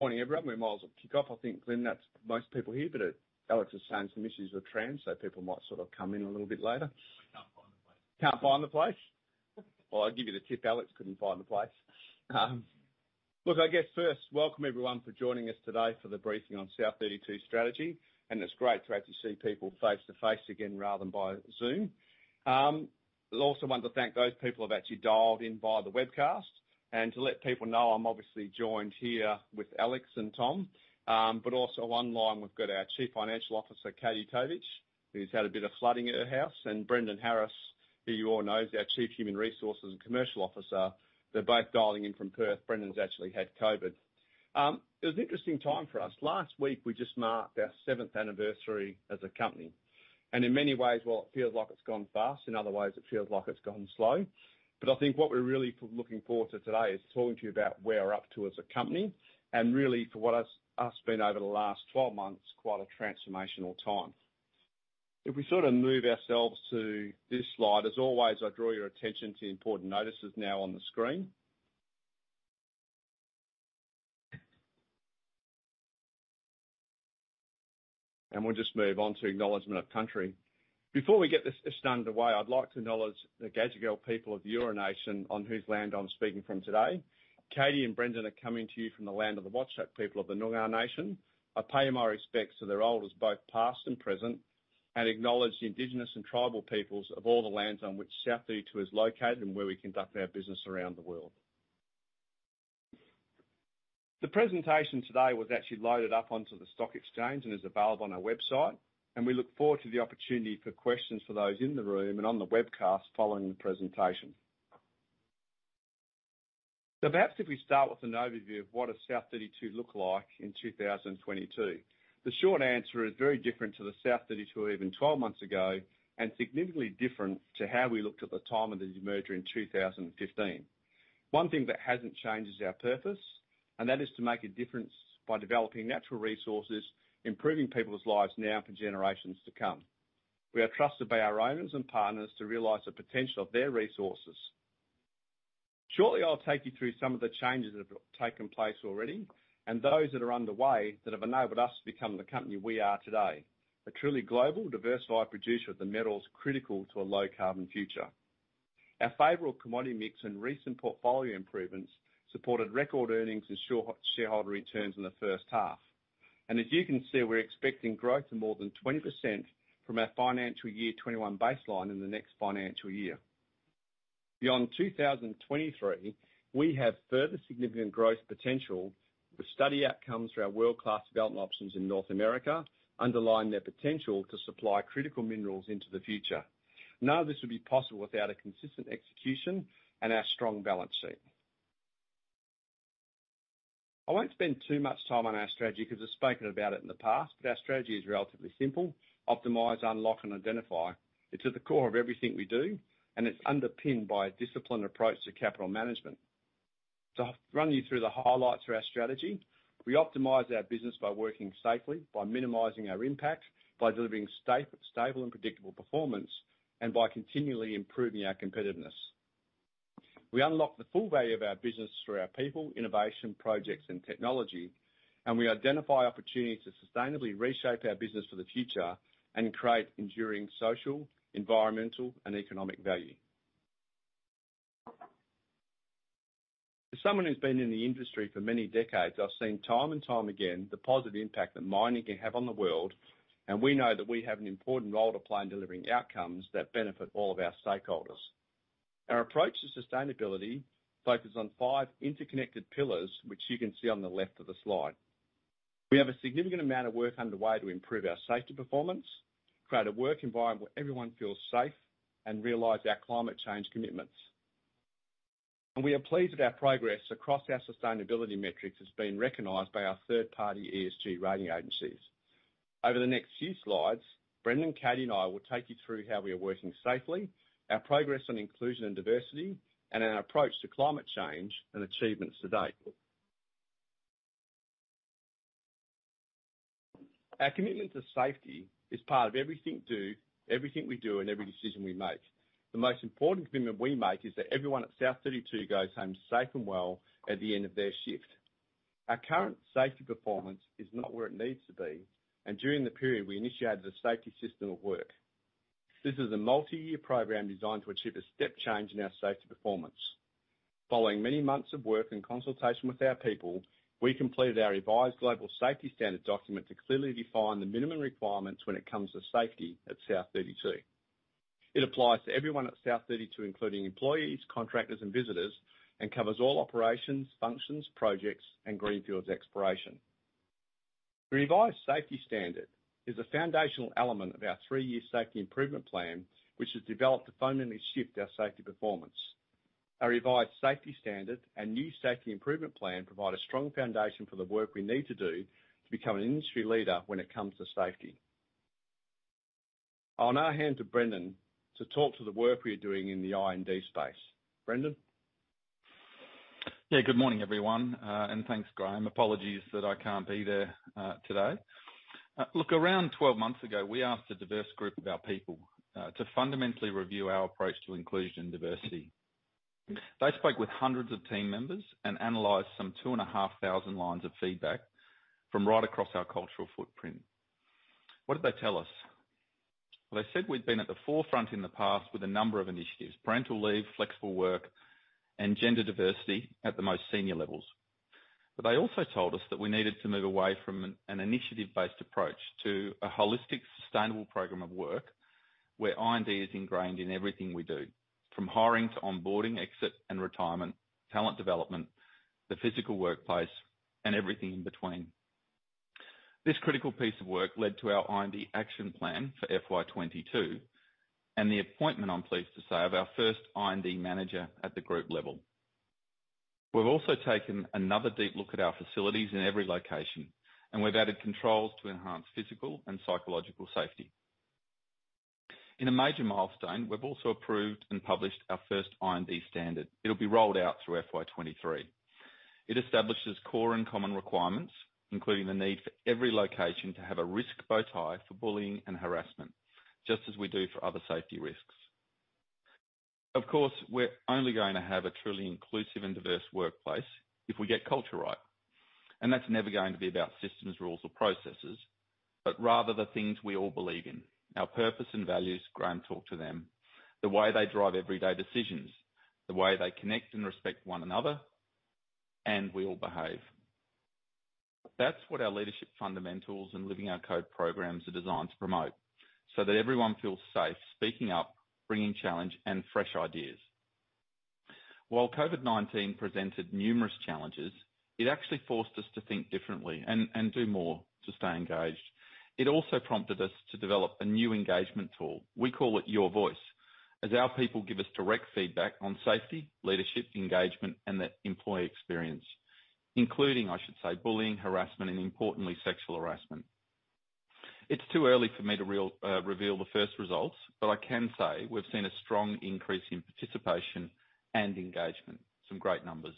Morning, everyone. We're miles off kick off. I think, Glyn, that's most people here, but, Alex is saying some issues with tran, so people might sort of come in a little bit later. I can't find the place. Can't find the place? Well, I'll give you the tip. Alex couldn't find the place. Look, I guess first, welcome everyone for joining us today for the briefing on South32 strategy, and it's great to actually see people face-to-face again rather than by Zoom. I also want to thank those people who have actually dialed in via the webcast, and to let people know, I'm obviously joined here with Alex and Tom, but also online, we've got our Chief Financial Officer, Katie Tovich, who's had a bit of flooding at her house, and Brendan Harris, who you all know, is our Chief Human Resources and Commercial Officer. They're both dialing in from Perth. Brendan's actually had COVID. It was an interesting time for us. Last week, we just marked our 7th anniversary as a company, and in many ways, while it feels like it's gone fast, in other ways, it feels like it's gone slow. But I think what we're really looking forward to today is talking to you about where we're up to as a company, and really, for us, it's been over the last 12 months, quite a transformational time. If we sort of move ourselves to this slide, as always, I draw your attention to the important notices now on the screen. We'll just move on to acknowledgment of country. Before we get this underway, I'd like to acknowledge the Gadigal people of the Eora Nation, on whose land I'm speaking from today. Katie and Brendan are coming to you from the land of the Whadjuk people of the Noongar Nation. I pay my respects to their elders, both past and present, and acknowledge the indigenous and tribal peoples of all the lands on which South32 is located and where we conduct our business around the world. The presentation today was actually loaded up onto the stock exchange and is available on our website, and we look forward to the opportunity for questions for those in the room and on the webcast following the presentation. So perhaps if we start with an overview of what does South32 look like in 2022. The short answer is very different to the South32 even 12 months ago, and significantly different to how we looked at the time of the demerger in 2015. One thing that hasn't changed is our purpose, and that is to make a difference by developing natural resources, improving people's lives now for generations to come. We are trusted by our owners and partners to realize the potential of their resources. Shortly, I'll take you through some of the changes that have taken place already and those that are underway that have enabled us to become the company we are today, a truly global, diversified producer of the metals critical to a low-carbon future. Our favorable commodity mix and recent portfolio improvements supported record earnings and shareholder returns in the first half, and as you can see, we're expecting growth of more than 20% from our financial year 2021 baseline in the next financial year. Beyond 2023, we have further significant growth potential, with study outcomes through our world-class development options in North America, underlying their potential to supply critical minerals into the future. None of this would be possible without a consistent execution and our strong balance sheet. I won't spend too much time on our strategy, because I've spoken about it in the past, but our strategy is relatively simple: optimize, unlock, and identify. It's at the core of everything we do, and it's underpinned by a disciplined approach to capital management. To run you through the highlights of our strategy, we optimize our business by working safely, by minimizing our impact, by delivering stable and predictable performance, and by continually improving our competitiveness. We unlock the full value of our business through our people, innovation, projects, and technology, and we identify opportunities to sustainably reshape our business for the future and create enduring social, environmental, and economic value. As someone who's been in the industry for many decades, I've seen time and time again the positive impact that mining can have on the world, and we know that we have an important role to play in delivering outcomes that benefit all of our stakeholders. Our approach to sustainability focuses on five interconnected pillars, which you can see on the left of the slide. We have a significant amount of work underway to improve our safety performance, create a work environment where everyone feels safe, and realize our climate change commitments. We are pleased that our progress across our sustainability metrics has been recognized by our third-party ESG rating agencies. Over the next few slides, Brendan, Katie, and I will take you through how we are working safely, our progress on inclusion and diversity, and our approach to climate change and achievements to date. Our commitment to safety is part of everything we do and every decision we make. The most important commitment we make is that everyone at South32 goes home safe and well at the end of their shift. Our current safety performance is not where it needs to be, and during the period, we initiated a safety system of work. This is a multi-year program designed to achieve a step change in our safety performance. Following many months of work and consultation with our people, we completed our revised global safety standard document to clearly define the minimum requirements when it comes to safety at South32. It applies to everyone at South32, including employees, contractors, and visitors, and covers all operations, functions, projects, and greenfields exploration. The revised safety standard is a foundational element of our three-year safety improvement plan, which is developed to fundamentally shift our safety performance. Our revised safety standard and new safety improvement plan provide a strong foundation for the work we need to do to become an industry leader when it comes to safety. I'll now hand to Brendan to talk to the work we're doing in the I&D space. Brendan? Yeah, good morning, everyone, and thanks, Graham. Apologies that I can't be there today. Look, around 12 months ago, we asked a diverse group of our people to fundamentally review our approach to inclusion and diversity. They spoke with hundreds of team members and analyzed some 2,500 lines of feedback from right across our cultural footprint. What did they tell us? Well, they said we'd been at the forefront in the past with a number of initiatives, parental leave, flexible work, and gender diversity at the most senior levels. But they also told us that we needed to move away from an initiative-based approach to a holistic, sustainable program of work, where I&D is ingrained in everything we do, from hiring to onboarding, exit and retirement, talent development, the physical workplace, and everything in between. This critical piece of work led to our I&D action plan for FY 2022, and the appointment, I'm pleased to say, of our first I&D manager at the group level. We've also taken another deep look at our facilities in every location, and we've added controls to enhance physical and psychological safety. In a major milestone, we've also approved and published our first I&D standard. It'll be rolled out through FY 2023. It establishes core and common requirements, including the need for every location to have a risk bow tie for bullying and harassment, just as we do for other safety risks. Of course, we're only going to have a truly inclusive and diverse workplace if we get culture right, and that's never going to be about systems, rules, or processes, but rather the things we all believe in, our purpose and values, Graham talked to them. The way they drive everyday decisions, the way they connect and respect one another, and we all behave. That's what our leadership fundamentals and Living Our Code programs are designed to promote, so that everyone feels safe speaking up, bringing challenge and fresh ideas. While COVID-19 presented numerous challenges, it actually forced us to think differently and do more to stay engaged. It also prompted us to develop a new engagement tool. We call it Your Voice, as our people give us direct feedback on safety, leadership, engagement, and the employee experience, including, I should say, bullying, harassment, and importantly, sexual harassment. It's too early for me to really reveal the first results, but I can say we've seen a strong increase in participation and engagement. Some great numbers.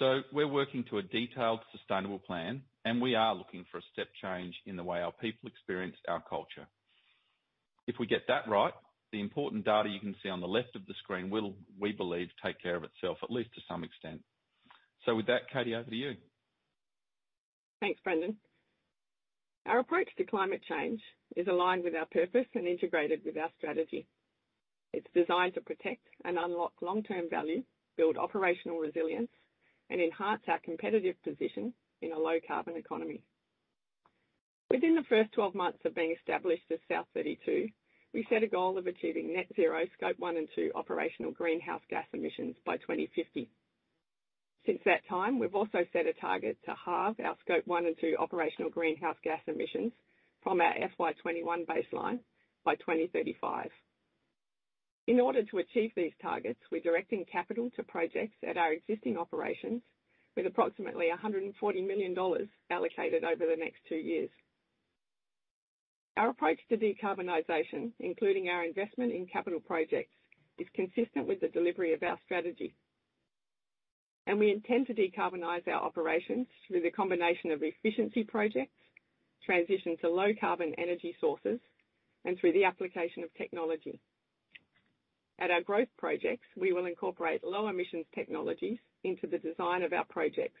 So we're working to a detailed, sustainable plan, and we are looking for a step change in the way our people experience our culture. If we get that right, the important data you can see on the left of the screen will, we believe, take care of itself, at least to some extent. So with that, Katie, over to you. Thanks, Brendan. Our approach to climate change is aligned with our purpose and integrated with our strategy. It's designed to protect and unlock long-term value, build operational resilience, and enhance our competitive position in a low-carbon economy. Within the first 12 months of being established as South32, we set a goal of achieving net zero scope one and two operational greenhouse gas emissions by 2050. Since that time, we've also set a target to halve our scope one and two operational greenhouse gas emissions from our FY 2021 baseline by 2035. In order to achieve these targets, we're directing capital to projects at our existing operations with approximately $140 million allocated over the next two years. Our approach to decarbonization, including our investment in capital projects, is consistent with the delivery of our strategy. We intend to decarbonize our operations through the combination of efficiency projects, transition to low-carbon energy sources, and through the application of technology. At our growth projects, we will incorporate low-emissions technologies into the design of our projects.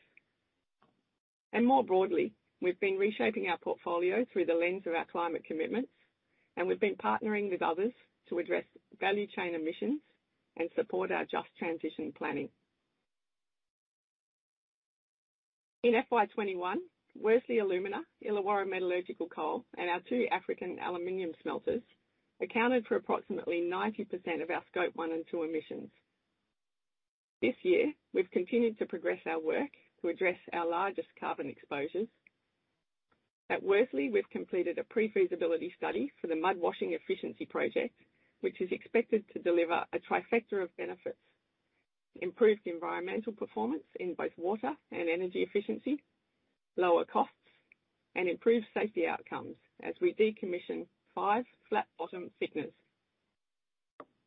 More broadly, we've been reshaping our portfolio through the lens of our climate commitments, and we've been partnering with others to address value chain emissions and support our just transition planning. In FY 2021, Worsley Alumina, Illawarra Metallurgical Coal, and our two African aluminum smelters accounted for approximately 90% of our Scope 1 and 2 emissions. This year, we've continued to progress our work to address our largest carbon exposures. At Worsley, we've completed a pre-feasibility study for the mud washing efficiency project, which is expected to deliver a trifecta of benefits: improved environmental performance in both water and energy efficiency, lower costs, and improved safety outcomes as we decommission five flat-bottom thickeners.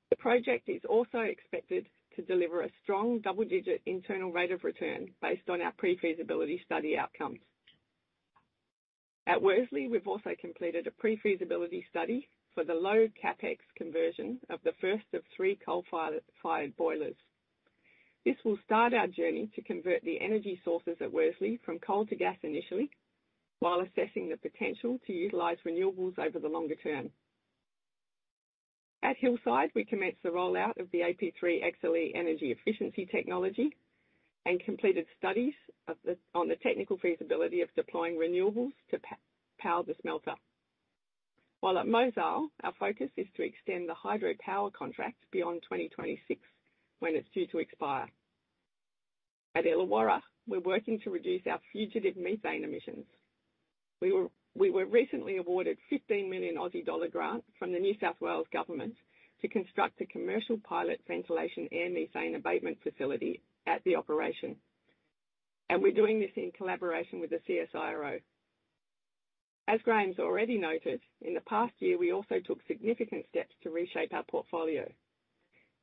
The project is also expected to deliver a strong double-digit internal rate of return based on our pre-feasibility study outcomes. At Worsley, we've also completed a pre-feasibility study for the low CapEx conversion of the first of three coal-fired, fired boilers. This will start our journey to convert the energy sources at Worsley from coal to gas initially, while assessing the potential to utilize renewables over the longer term. At Hillside, we commenced the rollout of the AP3XLE energy efficiency technology and completed studies on the technical feasibility of deploying renewables to power the smelter. While at Mozal, our focus is to extend the hydropower contract beyond 2026, when it's due to expire. At Illawarra, we're working to reduce our fugitive methane emissions. We were recently awarded 15 million Aussie dollar grant from the New South Wales government to construct a commercial pilot ventilation and methane abatement facility at the operation, and we're doing this in collaboration with the CSIRO. As Graham's already noted, in the past year, we also took significant steps to reshape our portfolio,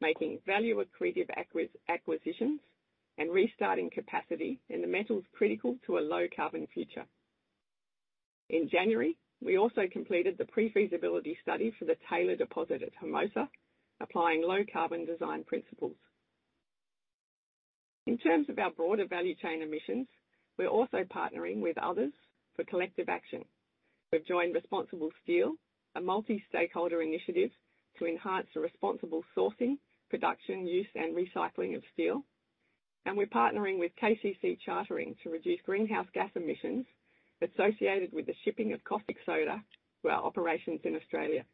making value accretive acquisitions and restarting capacity in the metals critical to a low-carbon future. In January, we also completed the pre-feasibility study for the Taylor deposit at Hermosa, applying low-carbon design principles. In terms of our broader value chain emissions, we're also partnering with others for collective action. We've joined ResponsibleSteel, a multi-stakeholder initiative to enhance the responsible sourcing, production, use, and recycling of steel, and we're partnering with KCC Chartering to reduce greenhouse gas emissions associated with the shipping of caustic soda to our operations in Australia.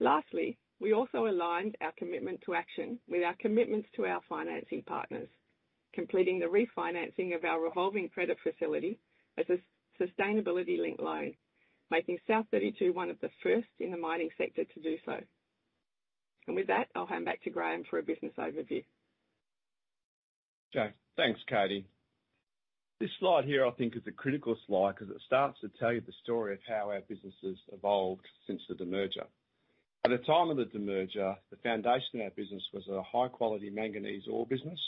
Lastly, we also aligned our commitment to action with our commitments to our financing partners, completing the refinancing of our revolving credit facility as a sustainability link loan, making South32 one of the first in the mining sector to do so. And with that, I'll hand back to Graham for a business overview. Okay. Thanks, Katie. This slide here, I think, is a critical slide because it starts to tell you the story of how our business has evolved since the demerger. At the time of the demerger, the foundation of our business was a high-quality manganese ore business,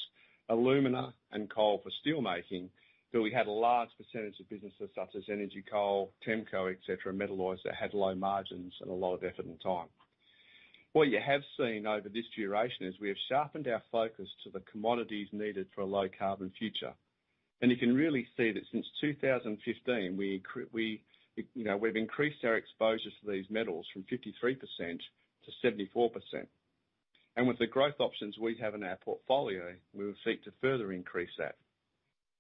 alumina and coal for steelmaking, but we had a large percentage of businesses, such as energy coal, TEMCO, et cetera, and metal alloys that had low margins and a lot of effort and time. What you have seen over this duration is we have sharpened our focus to the commodities needed for a low-carbon future. And you can really see that since 2015, we, you know, we've increased our exposure to these metals from 53% to 74%. And with the growth options we have in our portfolio, we would seek to further increase that.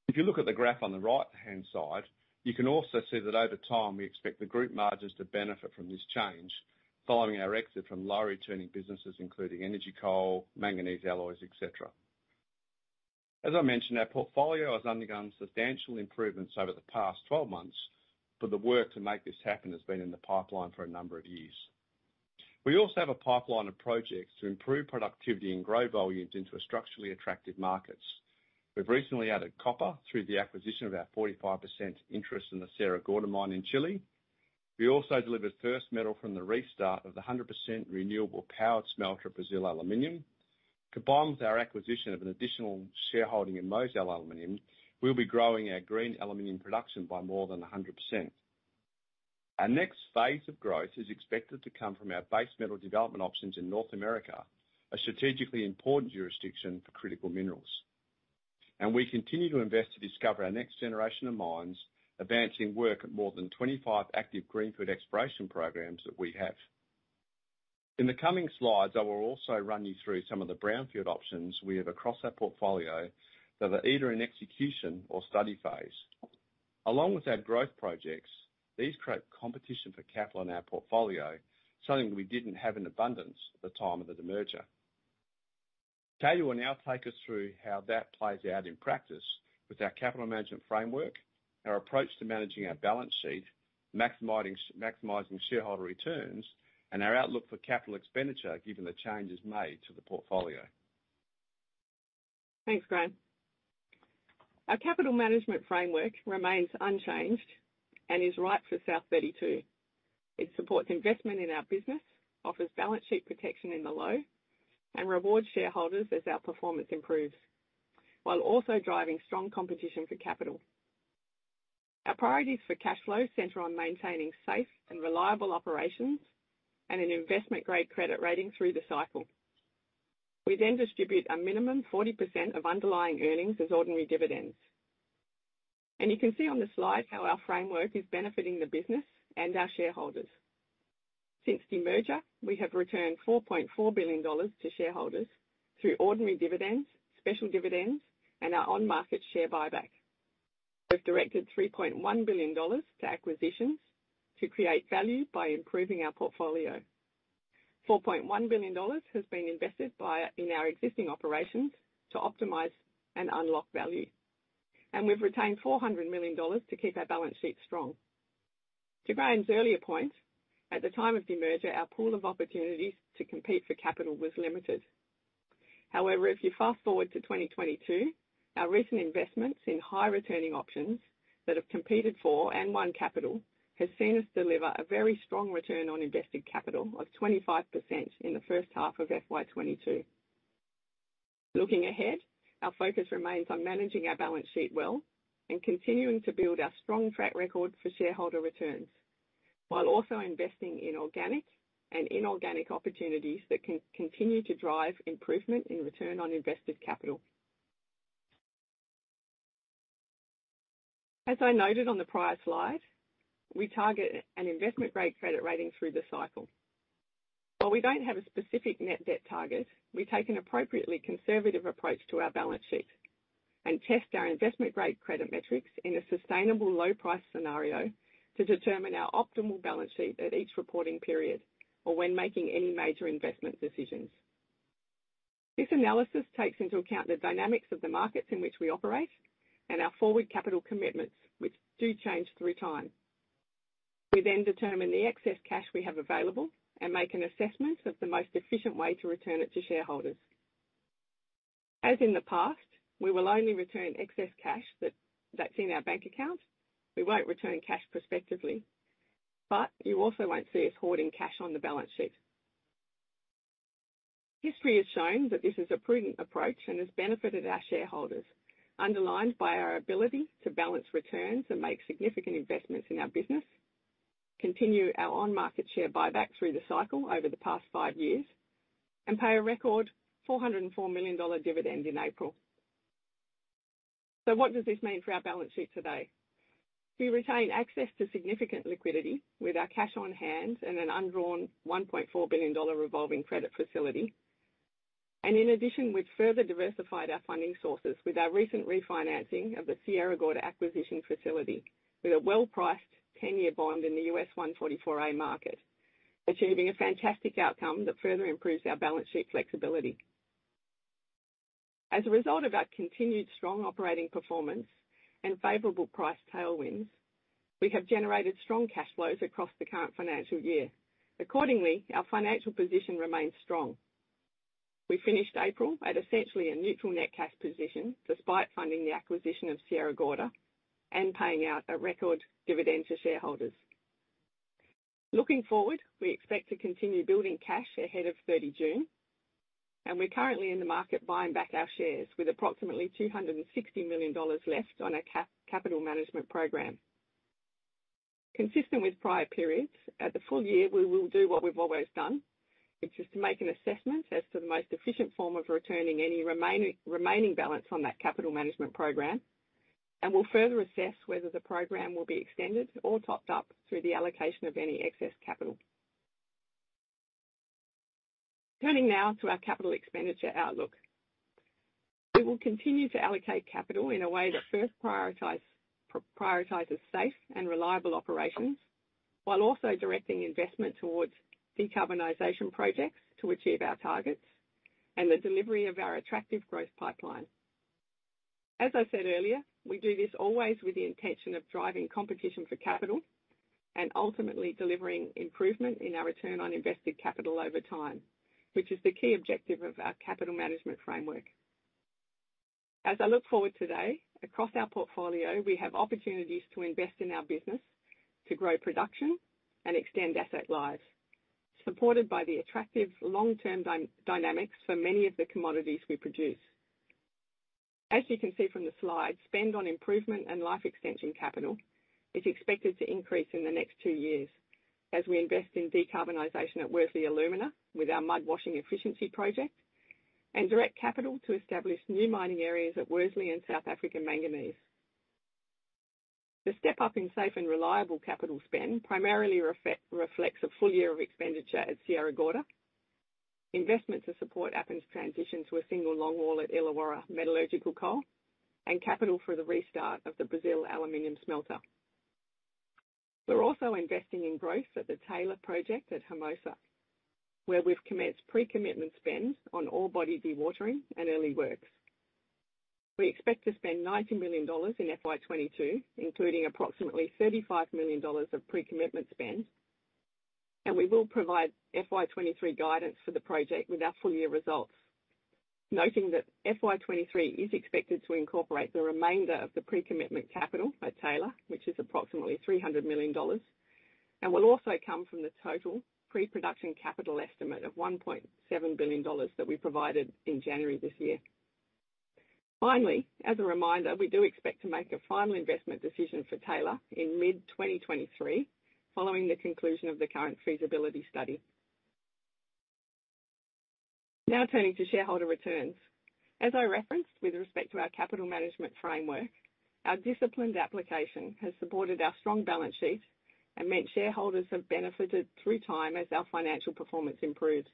If you look at the graph on the right-hand side, you can also see that over time, we expect the group margins to benefit from this change following our exit from low-returning businesses, including energy coal, manganese alloys, et cetera. As I mentioned, our portfolio has undergone substantial improvements over the past 12 months, but the work to make this happen has been in the pipeline for a number of years. We also have a pipeline of projects to improve productivity and grow volumes into a structurally attractive markets. We've recently added copper through the acquisition of our 45% interest in the Sierra Gorda mine in Chile. We also delivered first metal from the restart of the 100% renewable powered smelter, Brazil Aluminium. Combined with our acquisition of an additional shareholding in Mozal Aluminium, we'll be growing our green aluminium production by more than 100%. Our next phase of growth is expected to come from our base metal development options in North America, a strategically important jurisdiction for critical minerals. And we continue to invest to discover our next generation of mines, advancing work at more than 25 active greenfield exploration programs that we have. In the coming slides, I will also run you through some of the brownfield options we have across our portfolio that are either in execution or study phase. Along with our growth projects, these create competition for capital in our portfolio, something we didn't have in abundance at the time of the demerger. Katie will now take us through how that plays out in practice with our capital management framework, our approach to managing our balance sheet, maximizing, maximizing shareholder returns, and our outlook for capital expenditure, given the changes made to the portfolio. Thanks, Graham. Our capital management framework remains unchanged and is right for South32. It supports investment in our business, offers balance sheet protection in the low, and rewards shareholders as our performance improves, while also driving strong competition for capital. Our priorities for cash flow center on maintaining safe and reliable operations and an investment-grade credit rating through the cycle. We then distribute a minimum 40% of underlying earnings as ordinary dividends. You can see on the slide how our framework is benefiting the business and our shareholders. Since demerger, we have returned $4.4 billion to shareholders through ordinary dividends, special dividends, and our on-market share buyback. We've directed $3.1 billion to acquisitions to create value by improving our portfolio. $4.1 billion has been invested by, in our existing operations to optimize and unlock value, and we've retained $400 million to keep our balance sheet strong. To Graham's earlier point, at the time of the merger, our pool of opportunities to compete for capital was limited. However, if you fast-forward to 2022, our recent investments in high-returning options that have competed for and won capital, has seen us deliver a very strong return on invested capital of 25% in the first half of FY 2022. Looking ahead, our focus remains on managing our balance sheet well and continuing to build our strong track record for shareholder returns, while also investing in organic and inorganic opportunities that can continue to drive improvement in return on invested capital. As I noted on the prior slide, we target an investment-grade credit rating through the cycle. While we don't have a specific net debt target, we take an appropriately conservative approach to our balance sheet and test our investment-grade credit metrics in a sustainable low price scenario to determine our optimal balance sheet at each reporting period or when making any major investment decisions. This analysis takes into account the dynamics of the markets in which we operate and our forward capital commitments, which do change through time. We then determine the excess cash we have available and make an assessment of the most efficient way to return it to shareholders. As in the past, we will only return excess cash that's in our bank account. We won't return cash prospectively, but you also won't see us hoarding cash on the balance sheet. History has shown that this is a prudent approach and has benefited our shareholders, underlined by our ability to balance returns and make significant investments in our business, continue our on-market share buyback through the cycle over the past 5 years, and pay a record $404 million dividend in April. So what does this mean for our balance sheet today? We retain access to significant liquidity with our cash on hand and an undrawn $1.4 billion revolving credit facility. In addition, we've further diversified our funding sources with our recent refinancing of the Sierra Gorda acquisition facility, with a well-priced 10-year bond in the U.S. 144A market, achieving a fantastic outcome that further improves our balance sheet flexibility. As a result of our continued strong operating performance and favorable price tailwinds, we have generated strong cash flows across the current financial year. Accordingly, our financial position remains strong. We finished April at essentially a neutral net cash position, despite funding the acquisition of Sierra Gorda and paying out a record dividend to shareholders. Looking forward, we expect to continue building cash ahead of 30 June, and we're currently in the market buying back our shares with approximately $260 million left on our capital management program. Consistent with prior periods, at the full year, we will do what we've always done, which is to make an assessment as to the most efficient form of returning any remaining balance on that capital management program. We'll further assess whether the program will be extended or topped up through the allocation of any excess capital. Turning now to our capital expenditure outlook. We will continue to allocate capital in a way that first prioritize, prioritizes safe and reliable operations, while also directing investment towards decarbonization projects to achieve our targets and the delivery of our attractive growth pipeline. As I said earlier, we do this always with the intention of driving competition for capital and ultimately delivering improvement in our return on invested capital over time, which is the key objective of our capital management framework. As I look forward today, across our portfolio, we have opportunities to invest in our business, to grow production and extend asset lives, supported by the attractive long-term dynamics for many of the commodities we produce. As you can see from the slide, spend on improvement and life extension capital is expected to increase in the next two years as we invest in decarbonization at Worsley Alumina with our mud washing efficiency project, and direct capital to establish new mining areas at Worsley and South Africa Manganese. The step-up in safe and reliable capital spend primarily reflects a full year of expenditure at Sierra Gorda, investment to support Appin's transition to a single longwall at Illawarra Metallurgical Coal, and capital for the restart of the Brazil Aluminium smelter. We're also investing in growth at the Taylor project at Hermosa, where we've commenced pre-commitment spend on ore body dewatering and early works. We expect to spend $90 million in FY 2022, including approximately $35 million of pre-commitment spend, and we will provide FY 2023 guidance for the project with our full year results. Noting that FY 2023 is expected to incorporate the remainder of the pre-commitment capital at Taylor, which is approximately $300 million, and will also come from the total pre-production capital estimate of $1.7 billion that we provided in January this year. Finally, as a reminder, we do expect to make a final investment decision for Taylor in mid-2023, following the conclusion of the current feasibility study. Now, turning to shareholder returns. As I referenced with respect to our capital management framework, our disciplined application has supported our strong balance sheet and meant shareholders have benefited through time as our financial performance improves.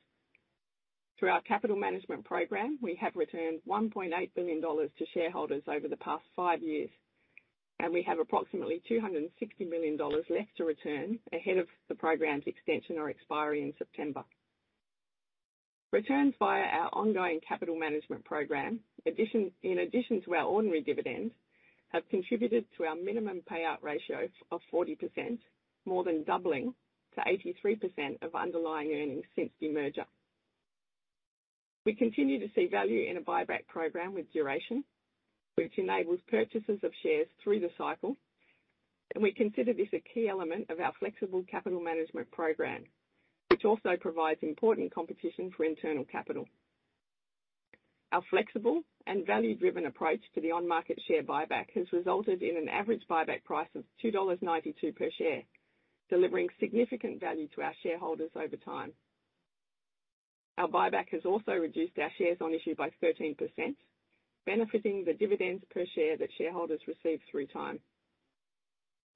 Through our capital management program, we have returned $1.8 billion to shareholders over the past five years, and we have approximately $260 million left to return ahead of the program's extension or expiry in September. Returns via our ongoing capital management program, in addition to our ordinary dividends, have contributed to our minimum payout ratio of 40%, more than doubling to 83% of underlying earnings since demerger. We continue to see value in a buyback program with duration, which enables purchases of shares through the cycle, and we consider this a key element of our flexible capital management program, which also provides important competition for internal capital. Our flexible and value-driven approach to the on-market share buyback has resulted in an average buyback price of 2.92 dollars per share, delivering significant value to our shareholders over time. Our buyback has also reduced our shares on issue by 13%, benefiting the dividends per share that shareholders receive through time.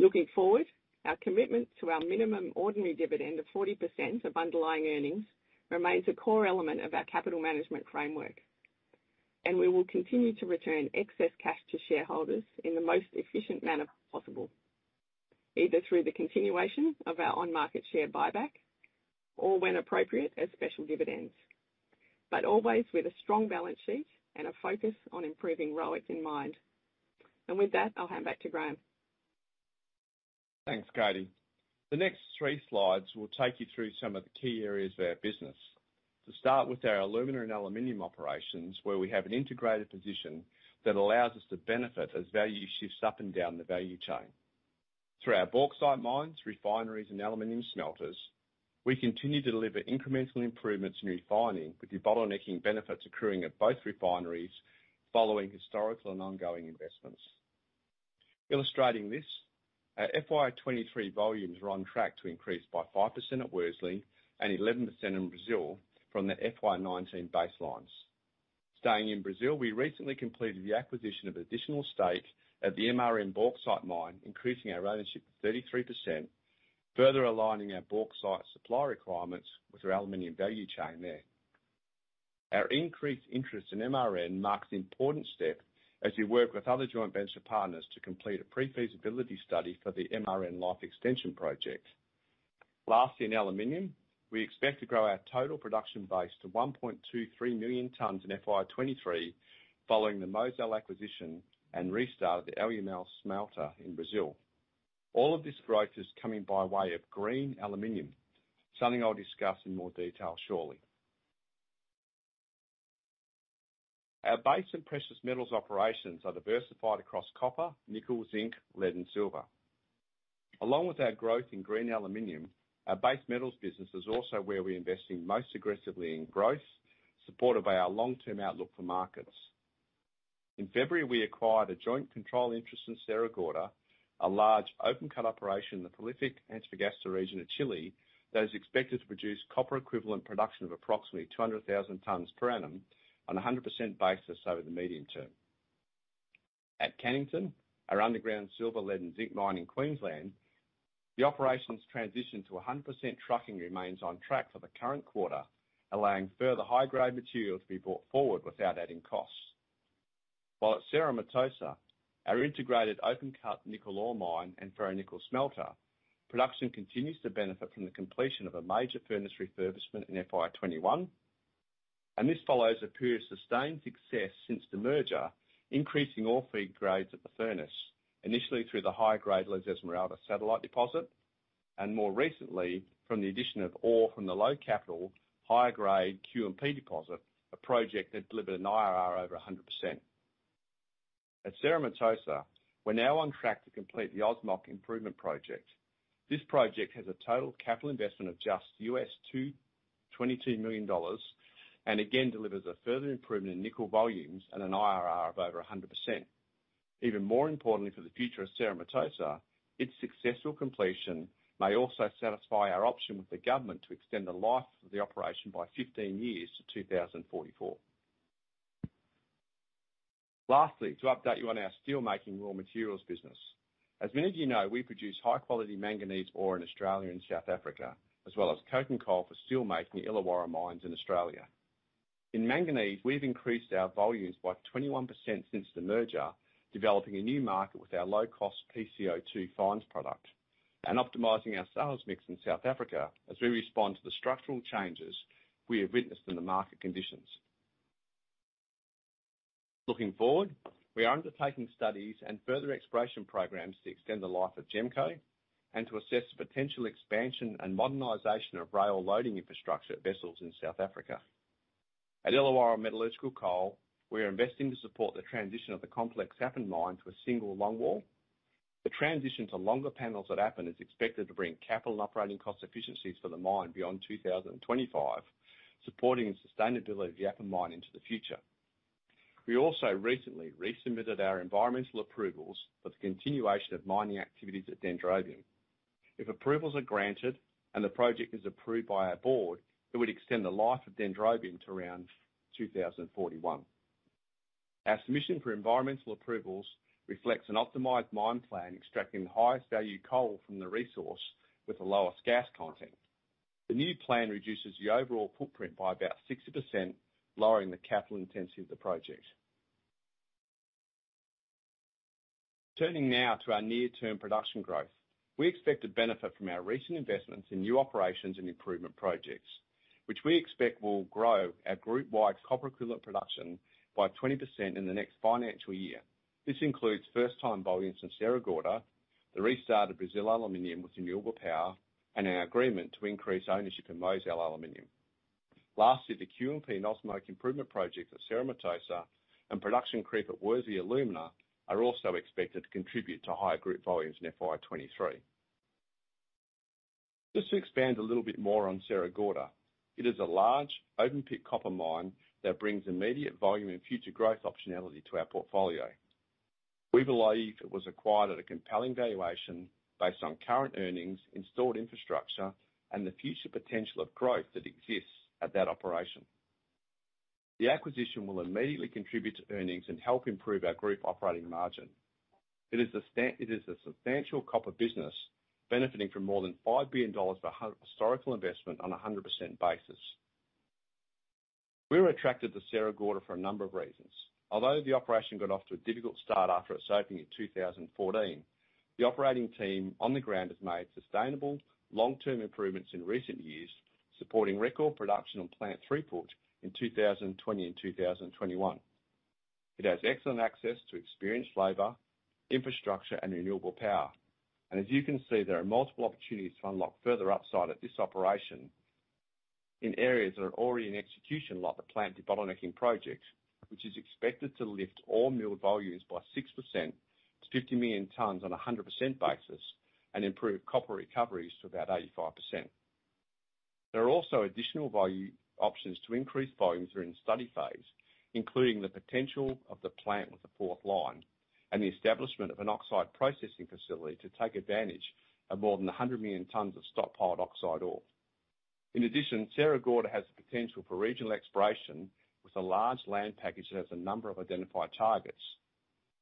Looking forward, our commitment to our minimum ordinary dividend of 40% of underlying earnings remains a core element of our capital management framework, and we will continue to return excess cash to shareholders in the most efficient manner possible, either through the continuation of our on-market share buyback or when appropriate, as special dividends, but always with a strong balance sheet and a focus on improving ROIC in mind. With that, I'll hand back to Graham. Thanks, Katie. The next three slides will take you through some of the key areas of our business. To start with our alumina and aluminum operations, where we have an integrated position that allows us to benefit as value shifts up and down the value chain. Through our bauxite mines, refineries, and aluminum smelters, we continue to deliver incremental improvements in refining, with the bottlenecking benefits occurring at both refineries following historical and ongoing investments. Illustrating this, our FY 2023 volumes are on track to increase by 5% at Worsley and 11% in Brazil from the FY 2019 baselines. Staying in Brazil, we recently completed the acquisition of additional stake at the MRN bauxite mine, increasing our ownership to 33%, further aligning our bauxite supply requirements with our aluminum value chain there. Our increased interest in MRN marks an important step as we work with other joint venture partners to complete a pre-feasibility study for the MRN life extension project. Lastly, in aluminum, we expect to grow our total production base to 1.23 million tons in FY 2023, following the Mozal acquisition and restart of the Alunorte smelter in Brazil. All of this growth is coming by way of green aluminum, something I'll discuss in more detail shortly. Our base and precious metals operations are diversified across copper, nickel, zinc, lead, and silver. Along with our growth in green aluminum, our base metals business is also where we're investing most aggressively in growth, supported by our long-term outlook for markets. In February, we acquired a joint control interest in Sierra Gorda, a large open cut operation in the prolific Antofagasta region of Chile, that is expected to produce copper equivalent production of approximately 200,000 tons per annum on a 100% basis over the medium term. At Cannington, our underground silver, lead, and zinc mine in Queensland, the operations transition to a 100% trucking remains on track for the current quarter, allowing further high-grade material to be brought forward without adding costs. While at Cerro Matoso, our integrated open cut nickel ore mine and ferronickel smelter, production continues to benefit from the completion of a major furnace refurbishment in FY 2021, and this follows a period of sustained success since the merger, increasing ore feed grades at the furnace. Initially, through the high-grade La Esmeralda satellite deposit, and more recently, from the addition of ore from the low-capital, high-grade QMP deposit, a project that delivered an IRR over 100%. At Cerro Matoso, we're now on track to complete the OSMOC improvement project. This project has a total capital investment of just $22 million, and again, delivers a further improvement in nickel volumes and an IRR of over 100%. Even more importantly for the future of Cerro Matoso, its successful completion may also satisfy our option with the government to extend the life of the operation by 15 years to 2044. Lastly, to update you on our steelmaking raw materials business. As many of you know, we produce high-quality manganese ore in Australia and South Africa, as well as coking coal for steelmaking at Illawarra mines in Australia. In manganese, we've increased our volumes by 21% since the merger, developing a new market with our low-cost PCO2 fines product, and optimizing our sales mix in South Africa as we respond to the structural changes we have witnessed in the market conditions. Looking forward, we are undertaking studies and further exploration programs to extend the life of GEMCO and to assess the potential expansion and modernization of rail loading infrastructure at Wessels in South Africa. At Illawarra Metallurgical Coal, we are investing to support the transition of the complex Appin mine to a single longwall. The transition to longer panels at Appin is expected to bring capital and operating cost efficiencies for the mine beyond 2025, supporting the sustainability of the Appin mine into the future. We also recently resubmitted our environmental approvals for the continuation of mining activities at Dendrobium. If approvals are granted and the project is approved by our board, it would extend the life of Dendrobium to around 2041. Our submission for environmental approvals reflects an optimized mine plan, extracting the highest value coal from the resource with the lowest gas content. The new plan reduces the overall footprint by about 60%, lowering the capital intensity of the project. Turning now to our near-term production growth. We expect to benefit from our recent investments in new operations and improvement projects, which we expect will grow our group-wide copper equivalent production by 20% in the next financial year. This includes first-time volumes from Cerro Matoso, the restart of Brazil Aluminium with renewable power, and our agreement to increase ownership in Mozal Aluminium. Lastly, the QMP and OSMOC improvement project at Cerro Matoso and production creep at Worsley Alumina are also expected to contribute to higher group volumes in FY 2023. Just to expand a little bit more on Sierra Gorda. It is a large open-pit copper mine that brings immediate volume and future growth optionality to our portfolio. We believe it was acquired at a compelling valuation based on current earnings, installed infrastructure, and the future potential of growth that exists at that operation. The acquisition will immediately contribute to earnings and help improve our group operating margin. It is a substantial copper business benefiting from more than $5 billion of historical investment on a 100% basis. We were attracted to Sierra Gorda for a number of reasons. Although the operation got off to a difficult start after its opening in 2014, the operating team on the ground has made sustainable, long-term improvements in recent years, supporting record production on plant throughput in 2020 and 2021. It has excellent access to experienced labor, infrastructure, and renewable power, and as you can see, there are multiple opportunities to unlock further upside at this operation.... in areas that are already in execution, like the plant debottlenecking projects, which is expected to lift all milled volumes by 6% to 50 million tons on a 100% basis and improve copper recoveries to about 85%. There are also additional value options to increase volumes that are in study phase, including the potential of the plant with the fourth line and the establishment of an oxide processing facility to take advantage of more than 100 million tons of stockpiled oxide ore. In addition, Sierra Gorda has the potential for regional exploration, with a large land package that has a number of identified targets.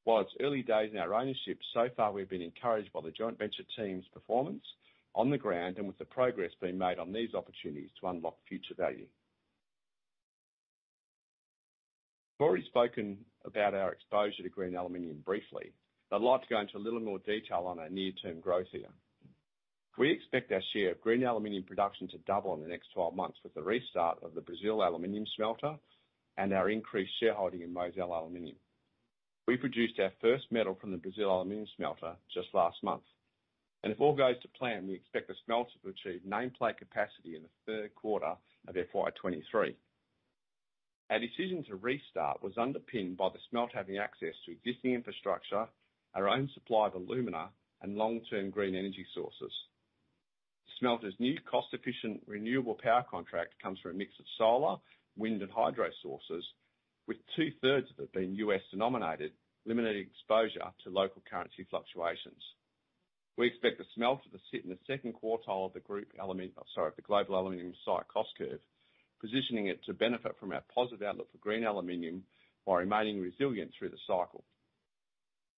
While it's early days in our ownership, so far we've been encouraged by the joint venture team's performance on the ground and with the progress being made on these opportunities to unlock future value. I've already spoken about our exposure to green aluminum briefly, but I'd like to go into a little more detail on our near-term growth here. We expect our share of green aluminum production to double in the next 12 months with the restart of the Brazil Aluminium smelter and our increased shareholding in Mozal Aluminium. We produced our first metal from the Brazil Aluminium smelter just last month, and if all goes to plan, we expect the smelter to achieve nameplate capacity in the third quarter of FY 2023. Our decision to restart was underpinned by the smelter having access to existing infrastructure, our own supply of alumina, and long-term green energy sources. The smelter's new cost-efficient, renewable power contract comes from a mix of solar, wind, and hydro sources, with two-thirds of it being U.S. denominated, eliminating exposure to local currency fluctuations. We expect the smelter to sit in the second quartile of the group element, the global aluminum cost curve, positioning it to benefit from our positive outlook for green aluminum while remaining resilient through the cycle.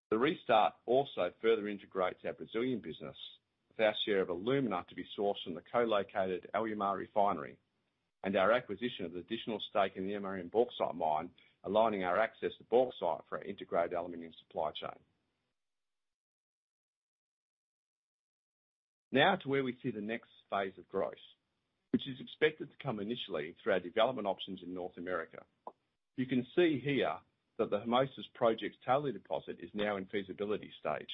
The restart also further integrates our Brazilian business, with our share of alumina to be sourced from the co-located Alumar Refinery, and our acquisition of the additional stake in the MRN bauxite mine, aligning our access to bauxite for our integrated aluminum supply chain. Now to where we see the next phase of growth, which is expected to come initially through our development options in North America. You can see here that the Hermosa project's Taylor deposit is now in feasibility stage,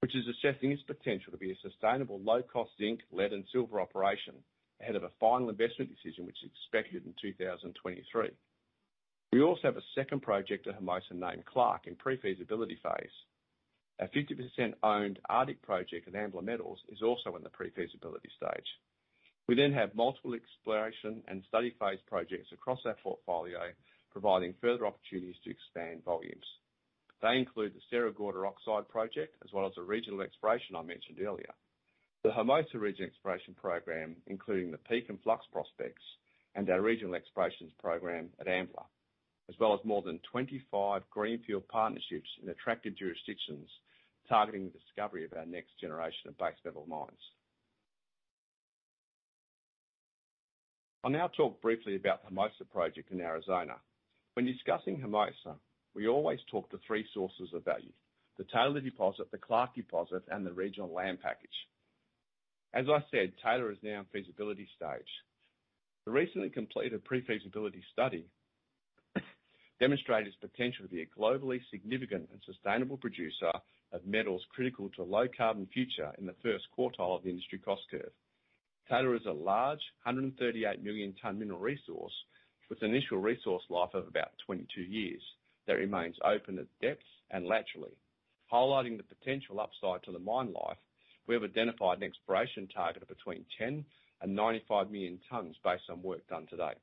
which is assessing its potential to be a sustainable, low-cost zinc, lead, and silver operation ahead of a final investment decision, which is expected in 2023. We also have a second project at Hermosa, named Clark, in pre-feasibility phase. Our 50% owned Arctic project at Ambler Metals is also in the pre-feasibility stage. We then have multiple exploration and study phase projects across our portfolio, providing further opportunities to expand volumes. They include the Sierra Gorda oxide project, as well as the regional exploration I mentioned earlier, the Hermosa regional exploration program, including the Peake and Flux prospects, and our regional explorations program at Ambler, as well as more than 25 greenfield partnerships in attractive jurisdictions, targeting the discovery of our next generation of base metal mines. I'll now talk briefly about the Hermosa project in Arizona. When discussing Hermosa, we always talk to three sources of value: the Taylor deposit, the Clark deposit, and the regional land package. As I said, Taylor is now in feasibility stage. The recently completed pre-feasibility study demonstrated its potential to be a globally significant and sustainable producer of metals critical to a low-carbon future in the first quartile of the industry cost curve. Taylor is a large, 138 million tons mineral resource, with initial resource life of about 22 years, that remains open at depth and laterally. Highlighting the potential upside to the mine life, we have identified an exploration target of between 10 and 95 million tons based on work done to date.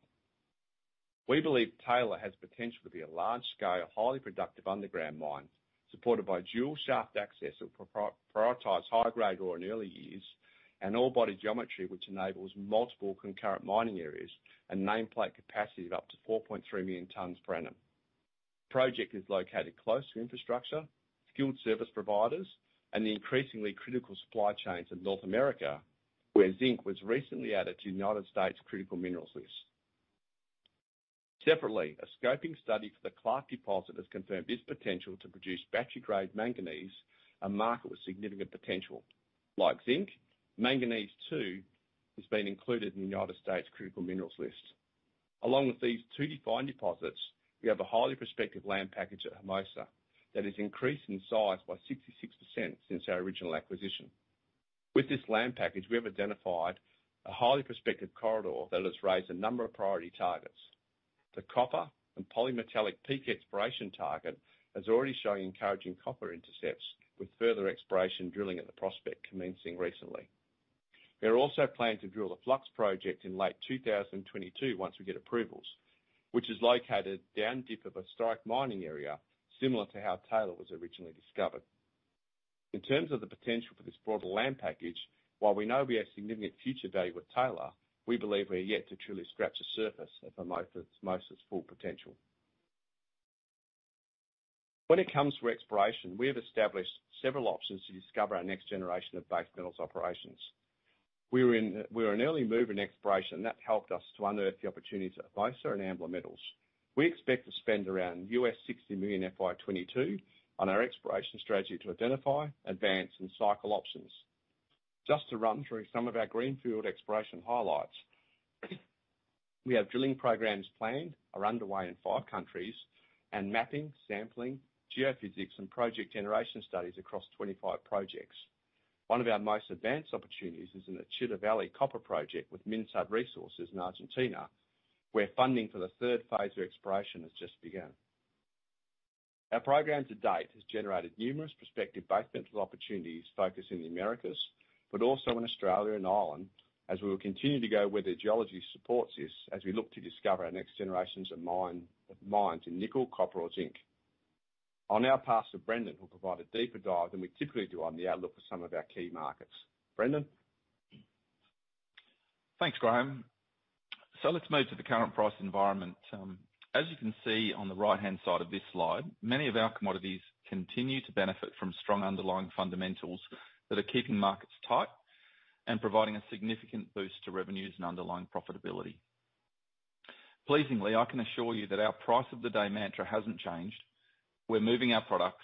We believe Taylor has potential to be a large-scale, highly productive underground mine, supported by dual shaft access that will prioritize high-grade ore in early years, and ore body geometry, which enables multiple concurrent mining areas and nameplate capacity of up to 4.3 million tons per annum. project is located close to infrastructure, skilled service providers, and the increasingly critical supply chains of North America, where zinc was recently added to the United States critical minerals list. Separately, a scoping study for the Clark deposit has confirmed its potential to produce battery-grade manganese, a market with significant potential. Like zinc, manganese, too, has been included in the United States critical minerals list. Along with these two defined deposits, we have a highly prospective land package at Hermosa that has increased in size by 66% since our original acquisition. With this land package, we have identified a highly prospective corridor that has raised a number of priority targets. The copper and polymetallic Peake exploration target is already showing encouraging copper intercepts, with further exploration drilling at the prospect commencing recently. We are also planning to drill the Flux project in late 2022 once we get approvals, which is located down dip of a historic mining area, similar to how Taylor was originally discovered. In terms of the potential for this broader land package, while we know we have significant future value with Taylor, we believe we are yet to truly scratch the surface of Hermosa's, Hermosa's full potential. When it comes to exploration, we have established several options to discover our next generation of base metals operations. We were an early mover in exploration, and that helped us to unearth the opportunities at Hermosa and Ambler Metals. We expect to spend around $60 million in FY 2022 on our exploration strategy to identify, advance, and cycle options. Just to run through some of our greenfield exploration highlights.... We have drilling programs planned, are underway in 5 countries, and mapping, sampling, geophysics, and project generation studies across 25 projects. One of our most advanced opportunities is in the Chita Valley Copper Project with Minsud Resources in Argentina, where funding for the third phase of exploration has just begun. Our program to date has generated numerous prospective basement opportunities focused in the Americas, but also in Australia and Ireland, as we will continue to go where the geology supports this, as we look to discover our next generations of mine, of mines in nickel, copper, or zinc. I'll now pass to Brendan, who'll provide a deeper dive than we typically do on the outlook for some of our key markets. Brendan? Thanks, Graham. So let's move to the current price environment. As you can see on the right-hand side of this slide, many of our commodities continue to benefit from strong underlying fundamentals that are keeping markets tight and providing a significant boost to revenues and underlying profitability. Pleasingly, I can assure you that our price of the day mantra hasn't changed. We're moving our products,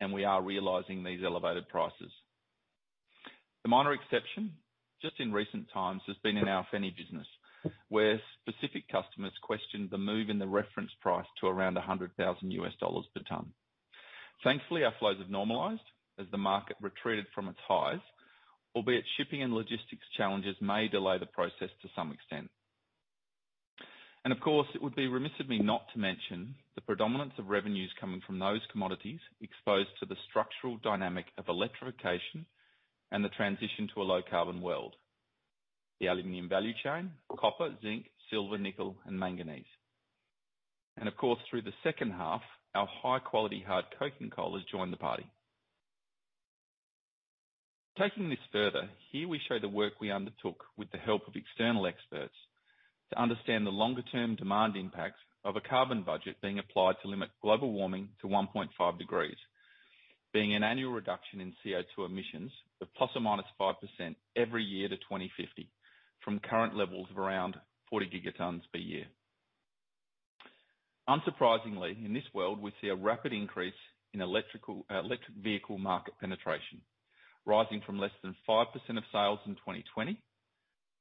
and we are realizing these elevated prices. The minor exception, just in recent times, has been in our ferronickel business, where specific customers questioned the move in the reference price to around $100,000 per ton. Thankfully, our flows have normalized as the market retreated from its highs, albeit shipping and logistics challenges may delay the process to some extent. Of course, it would be remiss of me not to mention the predominance of revenues coming from those commodities exposed to the structural dynamic of electrification and the transition to a low-carbon world: the aluminum value chain, copper, zinc, silver, nickel, and manganese. Of course, through the second half, our high-quality, hard coking coal has joined the party. Taking this further, here we show the work we undertook with the help of external experts to understand the longer-term demand impacts of a carbon budget being applied to limit global warming to 1.5 degrees, being an annual reduction in CO2 emissions of ±5% every year to 2050, from current levels of around 40 gigatons per year. Unsurprisingly, in this world, we see a rapid increase in electrical, electric vehicle market penetration, rising from less than 5% of sales in 2020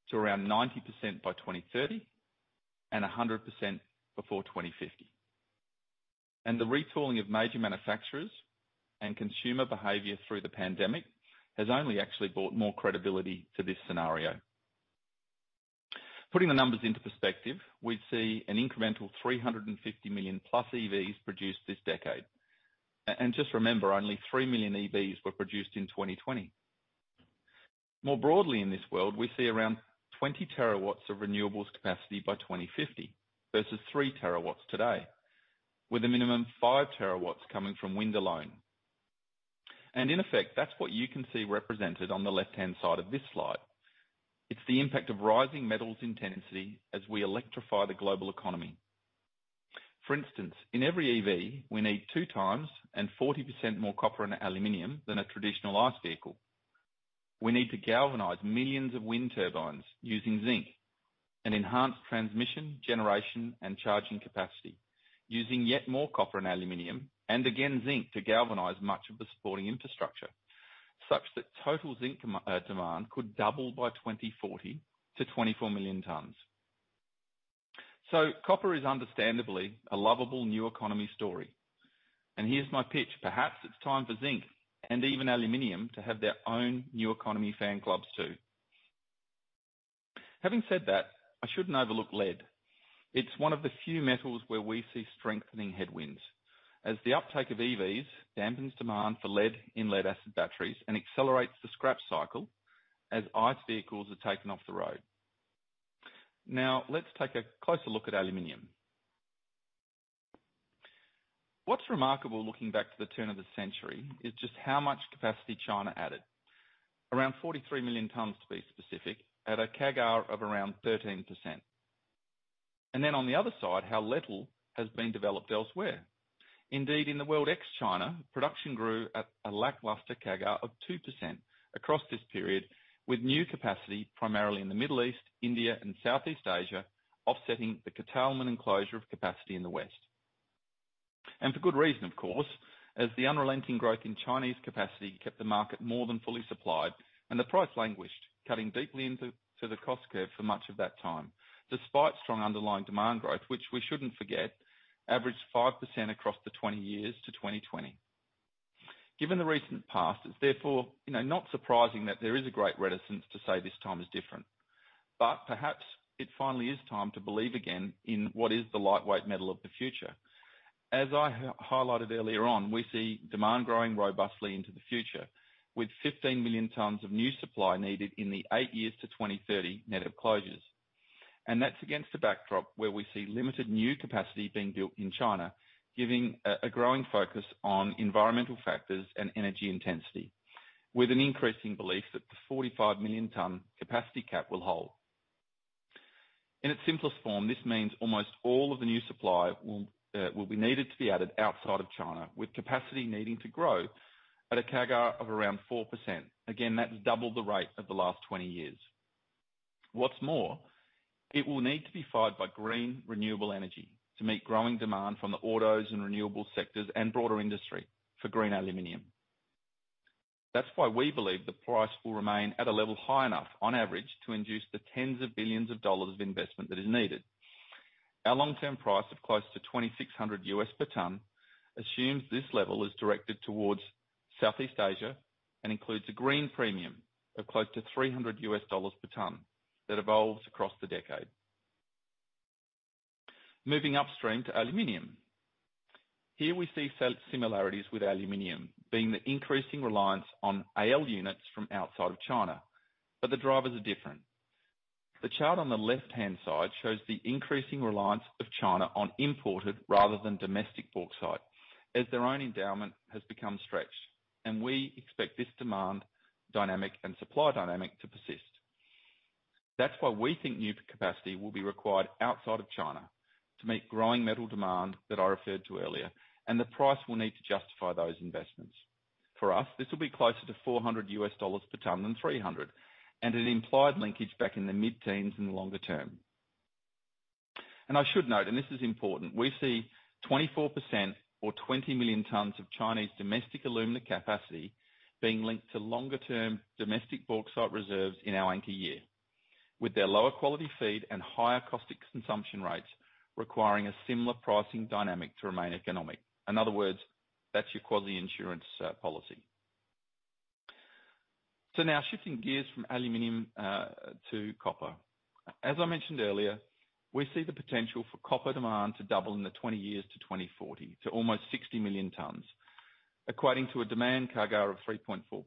to around 90% by 2030 and 100% before 2050. And the retooling of major manufacturers and consumer behavior through the pandemic has only actually brought more credibility to this scenario. Putting the numbers into perspective, we see an incremental 350 million plus EVs produced this decade. And just remember, only 3 million EVs were produced in 2020. More broadly, in this world, we see around 20 TW of renewables capacity by 2050, versus 3 TW today, with a minimum of 5 TW coming from wind alone. And in effect, that's what you can see represented on the left-hand side of this slide. It's the impact of rising metals intensity as we electrify the global economy. For instance, in every EV, we need two times and 40% more copper and aluminum than a traditional ICE vehicle. We need to galvanize millions of wind turbines using zinc and enhance transmission, generation, and charging capacity, using yet more copper and aluminum, and again, zinc, to galvanize much of the supporting infrastructure, such that total zinc demand could double by 2040 to 24 million tons. So copper is understandably a lovable new economy story. And here's my pitch: Perhaps it's time for zinc and even aluminum to have their own new economy fan clubs, too. Having said that, I shouldn't overlook lead. It's one of the few metals where we see strengthening headwinds, as the uptake of EVs dampens demand for lead in lead-acid batteries and accelerates the scrap cycle as ICE vehicles are taken off the road. Now, let's take a closer look at aluminum. What's remarkable, looking back to the turn of the century, is just how much capacity China added. Around 43 million tons, to be specific, at a CAGR of around 13%. And then on the other side, how little has been developed elsewhere. Indeed, in the world ex-China, production grew at a lackluster CAGR of 2% across this period, with new capacity, primarily in the Middle East, India, and Southeast Asia, offsetting the curtailment and closure of capacity in the West. For good reason, of course, as the unrelenting growth in Chinese capacity kept the market more than fully supplied, and the price languished, cutting deeply into the cost curve for much of that time, despite strong underlying demand growth, which we shouldn't forget, averaged 5% across the 20 years to 2020. Given the recent past, it's therefore, you know, not surprising that there is a great reticence to say this time is different, but perhaps it finally is time to believe again in what is the lightweight metal of the future. As I highlighted earlier on, we see demand growing robustly into the future, with 15 million tons of new supply needed in the 8 years to 2030, net of closures. That's against a backdrop where we see limited new capacity being built in China, giving a growing focus on environmental factors and energy intensity, with an increasing belief that the 45 million ton capacity cap will hold. In its simplest form, this means almost all of the new supply will be needed to be added outside of China, with capacity needing to grow at a CAGR of around 4%. Again, that's double the rate of the last 20 years. What's more, it will need to be fired by green, renewable energy to meet growing demand from the autos and renewable sectors and broader industry for green aluminum. That's why we believe the price will remain at a level high enough, on average, to induce the $10s of billions of dollars of investment that is needed. Our long-term price of close to $2,600 per ton assumes this level is directed towards Southeast Asia and includes a green premium of close to $300 per ton that evolves across the decade. Moving upstream to aluminum. Here we see similarities with aluminum, being the increasing reliance on alumina units from outside of China, but the drivers are different. The chart on the left-hand side shows the increasing reliance of China on imported rather than domestic bauxite, as their own endowment has become stretched, and we expect this demand dynamic and supply dynamic to persist. That's why we think new capacity will be required outside of China to meet growing metal demand that I referred to earlier, and the price will need to justify those investments. For us, this will be closer to $400 per ton than $300, and an implied linkage back in the mid-teens in the longer term. And I should note, and this is important, we see 24% or 20 million tons of Chinese domestic alumina capacity being linked to longer-term domestic bauxite reserves in our anchor year, with their lower quality feed and higher caustic consumption rates requiring a similar pricing dynamic to remain economic. In other words, that's your quasi insurance policy. So now shifting gears from aluminum to copper. As I mentioned earlier, we see the potential for copper demand to double in the 20 years to 2040, to almost 60 million tons, equating to a demand CAGR of 3.4%.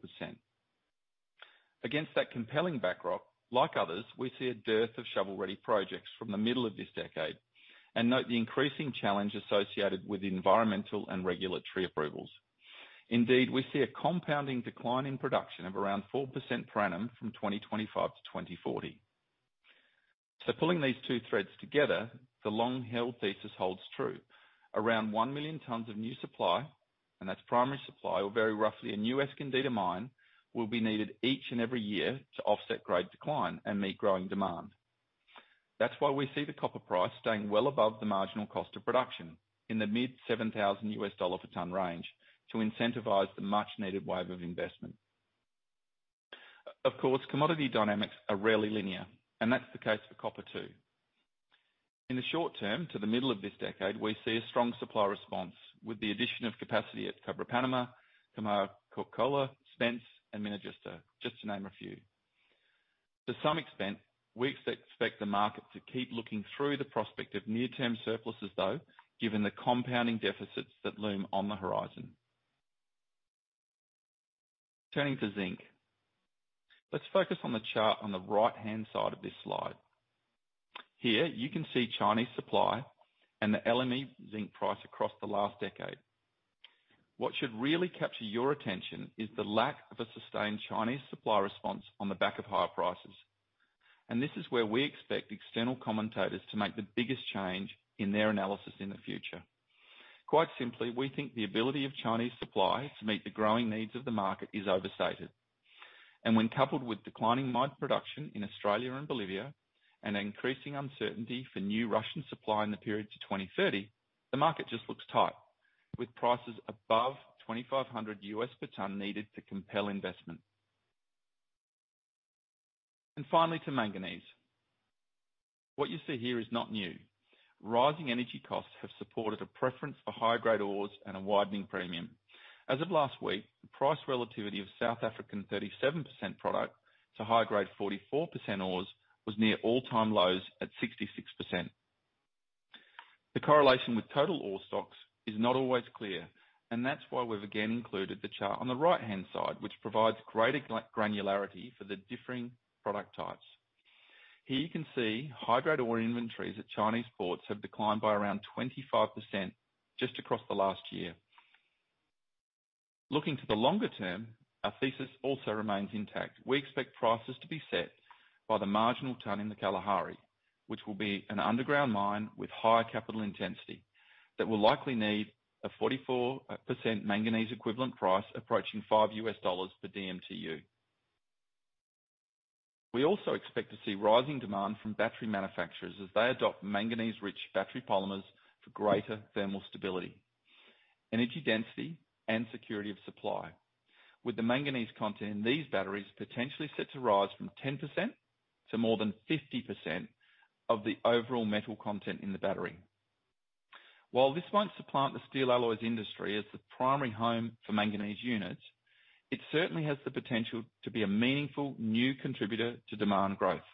Against that compelling backdrop, like others, we see a dearth of shovel-ready projects from the middle of this decade, and note the increasing challenge associated with environmental and regulatory approvals. Indeed, we see a compounding decline in production of around 4% per annum from 2025 to 2040. So pulling these two threads together, the long-held thesis holds true. Around 1,000,000 tons of new supply, and that's primary supply, or very roughly a new Escondida mine, will be needed each and every year to offset grade decline and meet growing demand. That's why we see the copper price staying well above the marginal cost of production in the mid-$7,000 per ton range to incentivize the much needed wave of investment. Of course, commodity dynamics are rarely linear, and that's the case for copper, too. In the short term, to the middle of this decade, we see a strong supply response with the addition of capacity at Cobre Panamá, Kamoa-Kakula, Spence and Minera Justa, just to name a few. To some extent, we expect the market to keep looking through the prospect of near-term surpluses, though, given the compounding deficits that loom on the horizon. Turning to zinc. Let's focus on the chart on the right-hand side of this slide. Here, you can see Chinese supply and the LME zinc price across the last decade. What should really capture your attention is the lack of a sustained Chinese supply response on the back of higher prices. And this is where we expect external commentators to make the biggest change in their analysis in the future. Quite simply, we think the ability of Chinese supply to meet the growing needs of the market is overstated. And when coupled with declining mine production in Australia and Bolivia, and increasing uncertainty for new Russian supply in the period to 2030, the market just looks tight, with prices above $2,500 per ton needed to compel investment. And finally, to manganese. What you see here is not new. Rising energy costs have supported a preference for higher grade ores and a widening premium. As of last week, the price relativity of South African 37% product to higher grade 44% ores was near all-time lows at 66%. The correlation with total ore stocks is not always clear, and that's why we've again included the chart on the right-hand side, which provides greater granularity for the differing product types. Here you can see high-grade ore inventories at Chinese ports have declined by around 25% just across the last year. Looking to the longer term, our thesis also remains intact. We expect prices to be set by the marginal ton in the Kalahari, which will be an underground mine with higher capital intensity that will likely need a 44% manganese equivalent price approaching $5 per DMTU. We also expect to see rising demand from battery manufacturers as they adopt manganese-rich battery polymers for greater thermal stability, energy density, and security of supply, with the manganese content in these batteries potentially set to rise from 10% to more than 50% of the overall metal content in the battery. While this won't supplant the steel alloys industry as the primary home for manganese units, it certainly has the potential to be a meaningful new contributor to demand growth.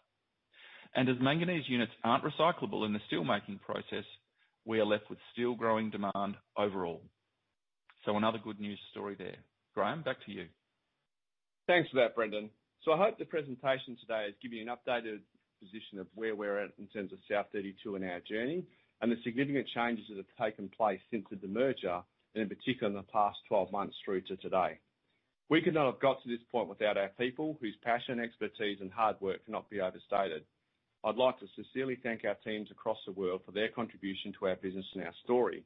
And as manganese units aren't recyclable in the steelmaking process, we are left with steel growing demand overall. So another good news story there. Graham, back to you. Thanks for that, Brendan. So I hope the presentation today has given you an updated position of where we're at in terms of South32 in our journey and the significant changes that have taken place since the demerger, and in particular, in the past 12 months through to today. We could not have got to this point without our people, whose passion, expertise, and hard work cannot be overstated. I'd like to sincerely thank our teams across the world for their contribution to our business and our story.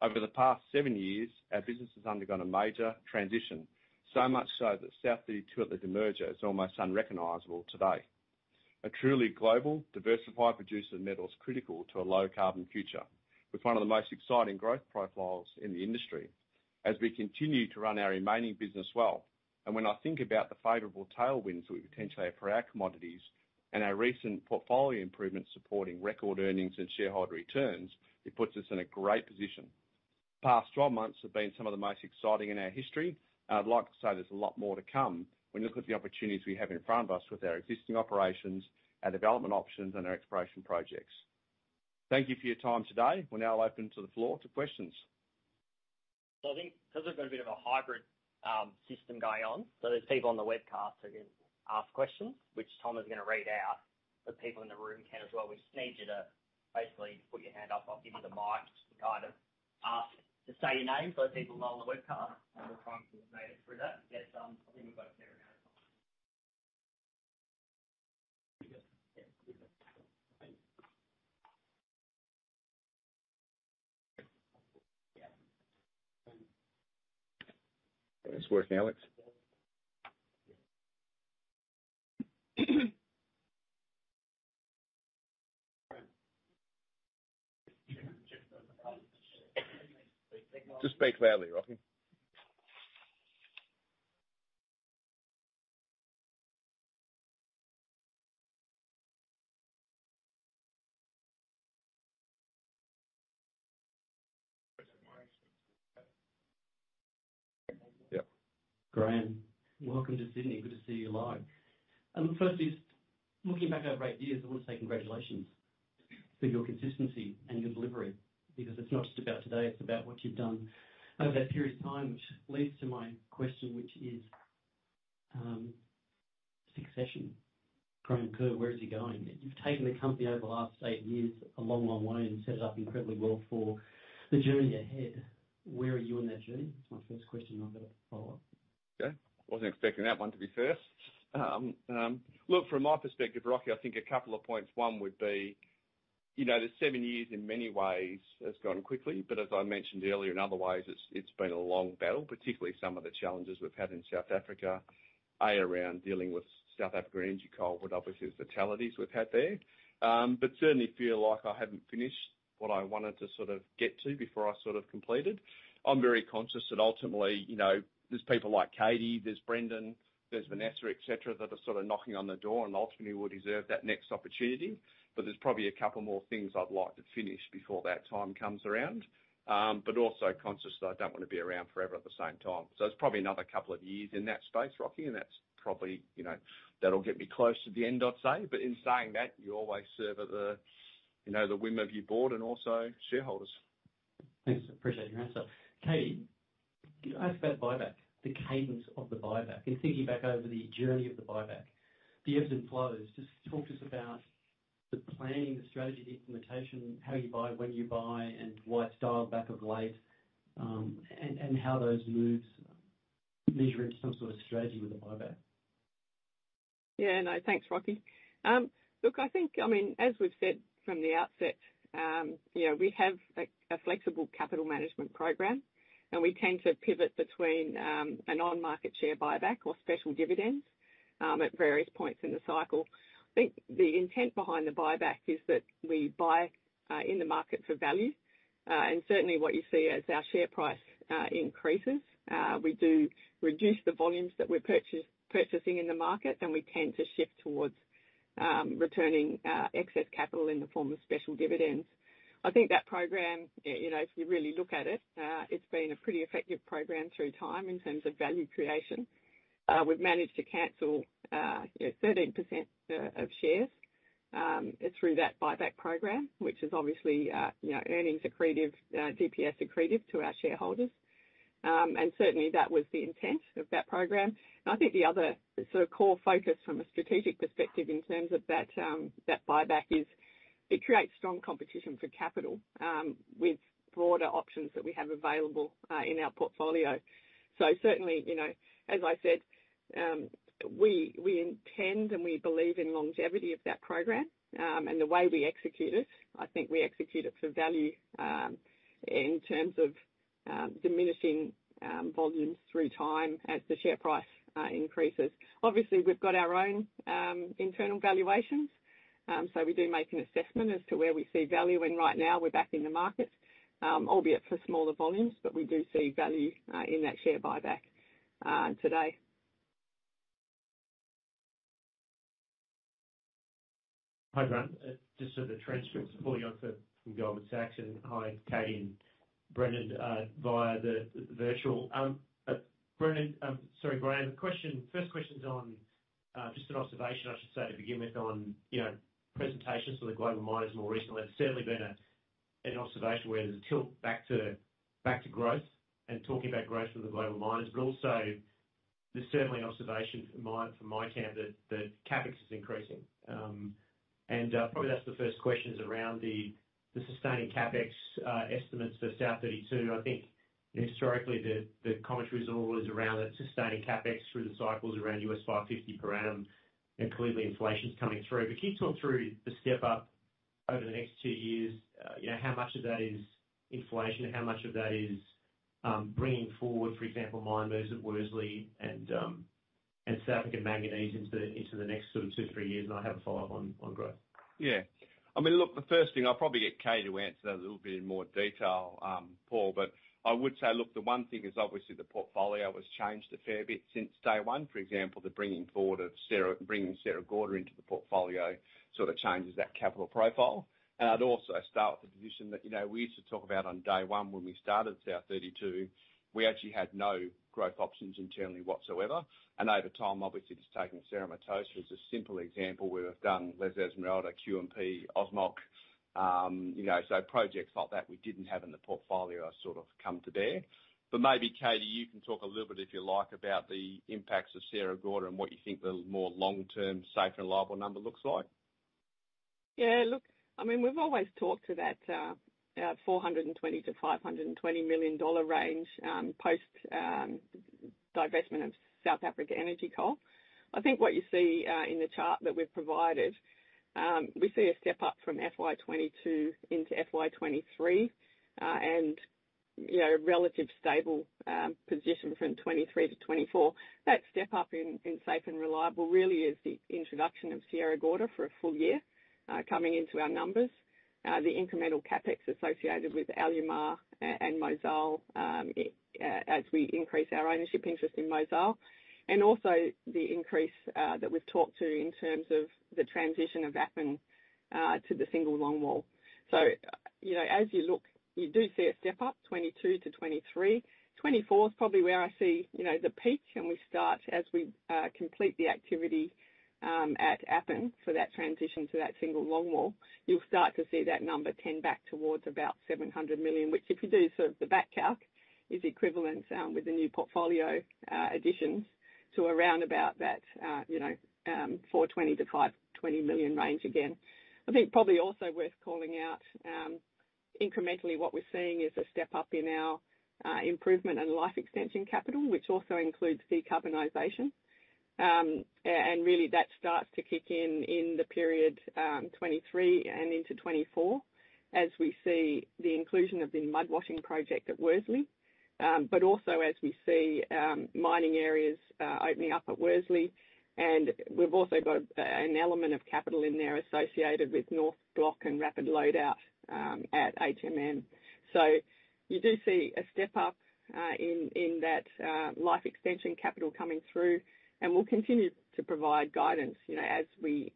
Over the past 7 years, our business has undergone a major transition, so much so that South32 at the demerger is almost unrecognizable today. A truly global, diversified producer of metals critical to a low carbon future, with one of the most exciting growth profiles in the industry. As we continue to run our remaining business well, and when I think about the favorable tailwinds we potentially have for our commodities and our recent portfolio improvements supporting record earnings and shareholder returns, it puts us in a great position. The past 12 months have been some of the most exciting in our history, and I'd like to say there's a lot more to come when you look at the opportunities we have in front of us with our existing operations, our development options, and our exploration projects. Thank you for your time today. We'll now open to the floor to questions. So I think because we've got a bit of a hybrid system going on, so there's people on the webcast who can ask questions, which Tom is going to read out, but people in the room can as well. We just need you to basically put your hand up. I'll give you the mic to kind of ask, to say your name, so people know on the webcast, and we'll try and make it through that. Yes, I think we've got a few around. It's working, Alex? Just speak loudly, Rocky. Yep. Graham, welcome to Sydney. Good to see you live. Firstly, looking back over eight years, I want to say congratulations for your consistency and your delivery, because it's not just about today, it's about what you've done over that period of time, which leads to my question, which is, succession. Graham Kerr, where is he going? You've taken the company over the last eight years, a long, long way, and set it up incredibly well for the journey ahead. Where are you on that journey? That's my first question, and I've got a follow-up. Okay. I wasn't expecting that one to be first. Look, from my perspective, Rocky, I think a couple of points. One would be, you know, the seven years in many ways has gone quickly, but as I mentioned earlier, in other ways, it's, it's been a long battle, particularly some of the challenges we've had in South Africa, around dealing with South African Energy Coal, but obviously the fatalities we've had there. But certainly feel like I haven't finished what I wanted to sort of get to before I sort of completed. I'm very conscious that ultimately, you know, there's people like Katie, there's Brendan, there's Vanessa, et cetera, that are sort of knocking on the door and ultimately will deserve that next opportunity. But there's probably a couple more things I'd like to finish before that time comes around. But also conscious that I don't want to be around forever at the same time. So it's probably another couple of years in that space, Rocky, and that's probably, you know, that'll get me close to the end, I'd say. But in saying that, you always serve at the, you know, the whim of your board and also shareholders. Thanks. I appreciate your answer. Katie, can I ask about buyback, the cadence of the buyback, and thinking back over the journey of the buyback, the ebbs and flows. Just talk to us about the planning, the strategy, the implementation, how you buy, when you buy, and why it's dialed back of late, and how those moves measure into some sort of strategy with the buyback. Yeah, no, thanks, Rocky. Look, I think, I mean, as we've said from the outset, you know, we have a flexible capital management program, and we tend to pivot between an on-market share buyback or special dividends at various points in the cycle. I think the intent behind the buyback is that we buy in the market for value, and certainly what you see as our share price increases. We do reduce the volumes that we're purchasing in the market, and we tend to shift towards returning excess capital in the form of special dividends. I think that program, you know, if you really look at it, it's been a pretty effective program through time in terms of value creation. We've managed to cancel, you know, 13% of shares through that buyback program, which is obviously, you know, earnings accretive, DPS accretive to our shareholders. And certainly that was the intent of that program. I think the other sort of core focus from a strategic perspective in terms of that buyback is it creates strong competition for capital with broader options that we have available in our portfolio. So certainly, you know, as I said, we intend and we believe in longevity of that program. And the way we execute it, I think we execute it for value in terms of diminishing volumes through time as the share price increases. Obviously, we've got our own, internal valuations, so we do make an assessment as to where we see value, and right now we're back in the market, albeit for smaller volumes, but we do see value, in that share buyback, today. Hi, Graham. Just so the transcript's fully on from Goldman Sachs, and hi, Katie and Brendan, via the virtual. Brendan, sorry, Graham. First question's on just an observation, I should say to begin with, on, you know, presentations to the global miners more recently. There's certainly been an observation where there's a tilt back to growth and talking about growth with the global miners, but also there's certainly an observation from my camp that CapEx is increasing. Probably that's the first question is around the sustaining CapEx estimates for South32. I think historically, the commentary is always around that sustaining CapEx through the cycles around $550 per annum, and clearly inflation is coming through. But can you talk through the step up-... Over the next two years, you know, how much of that is inflation and how much of that is bringing forward, for example, mine moves at Worsley and South Africa Manganese into the next sort of two, three years? And I have a follow-up on growth. Yeah. I mean, look, the first thing, I'll probably get Katie to answer that a little bit in more detail, Paul, but I would say, look, the one thing is obviously the portfolio has changed a fair bit since day one. For example, the bringing forward of Sierra- bringing Sierra Gorda into the portfolio, sort of changes that capital profile. And I'd also start with the position that, you know, we used to talk about on day one, when we started South32, we actually had no growth options internally whatsoever, and over time, obviously, just taking Cerro Matoso as a simple example, where we've done La Esmeralda, QMP, OSMOC. You know, so projects like that we didn't have in the portfolio have sort of come to bear. Maybe, Katie, you can talk a little bit, if you like, about the impacts of Sierra Gorda and what you think the more long-term, safe and reliable number looks like. Yeah, look, I mean, we've always talked to that $420 million-$520 million range post divestment of South Africa Energy Coal. I think what you see in the chart that we've provided, we see a step up from FY 2022 into FY 2023, and, you know, a relative stable position from 2023 to 2024. That step up in safe and reliable really is the introduction of Sierra Gorda for a full year coming into our numbers. The incremental CapEx associated with Alumar and Mozal as we increase our ownership interest in Mozal, and also the increase that we've talked to in terms of the transition of Appin to the single longwall. So, you know, as you look, you do see a step up, 2022 to 2023. 2024 is probably where I see, you know, the peak, and we start as we complete the activity at Appin for that transition to that single longwall. You'll start to see that number tend back towards about $700 million, which, if you do sort of the back calc, is equivalent with the new portfolio additions to around about that, you know, $420 million-$520 million range again. I think probably also worth calling out, incrementally, what we're seeing is a step up in our improvement and life extension capital, which also includes decarbonization. And really, that starts to kick in, in the period 2023 and into 2024, as we see the inclusion of the mud washing project at Worsley. But also, as we see, mining areas opening up at Worsley, and we've also got an element of capital in there associated with North Block and rapid load out at HMN. So you do see a step up in that life extension capital coming through, and we'll continue to provide guidance, you know, as we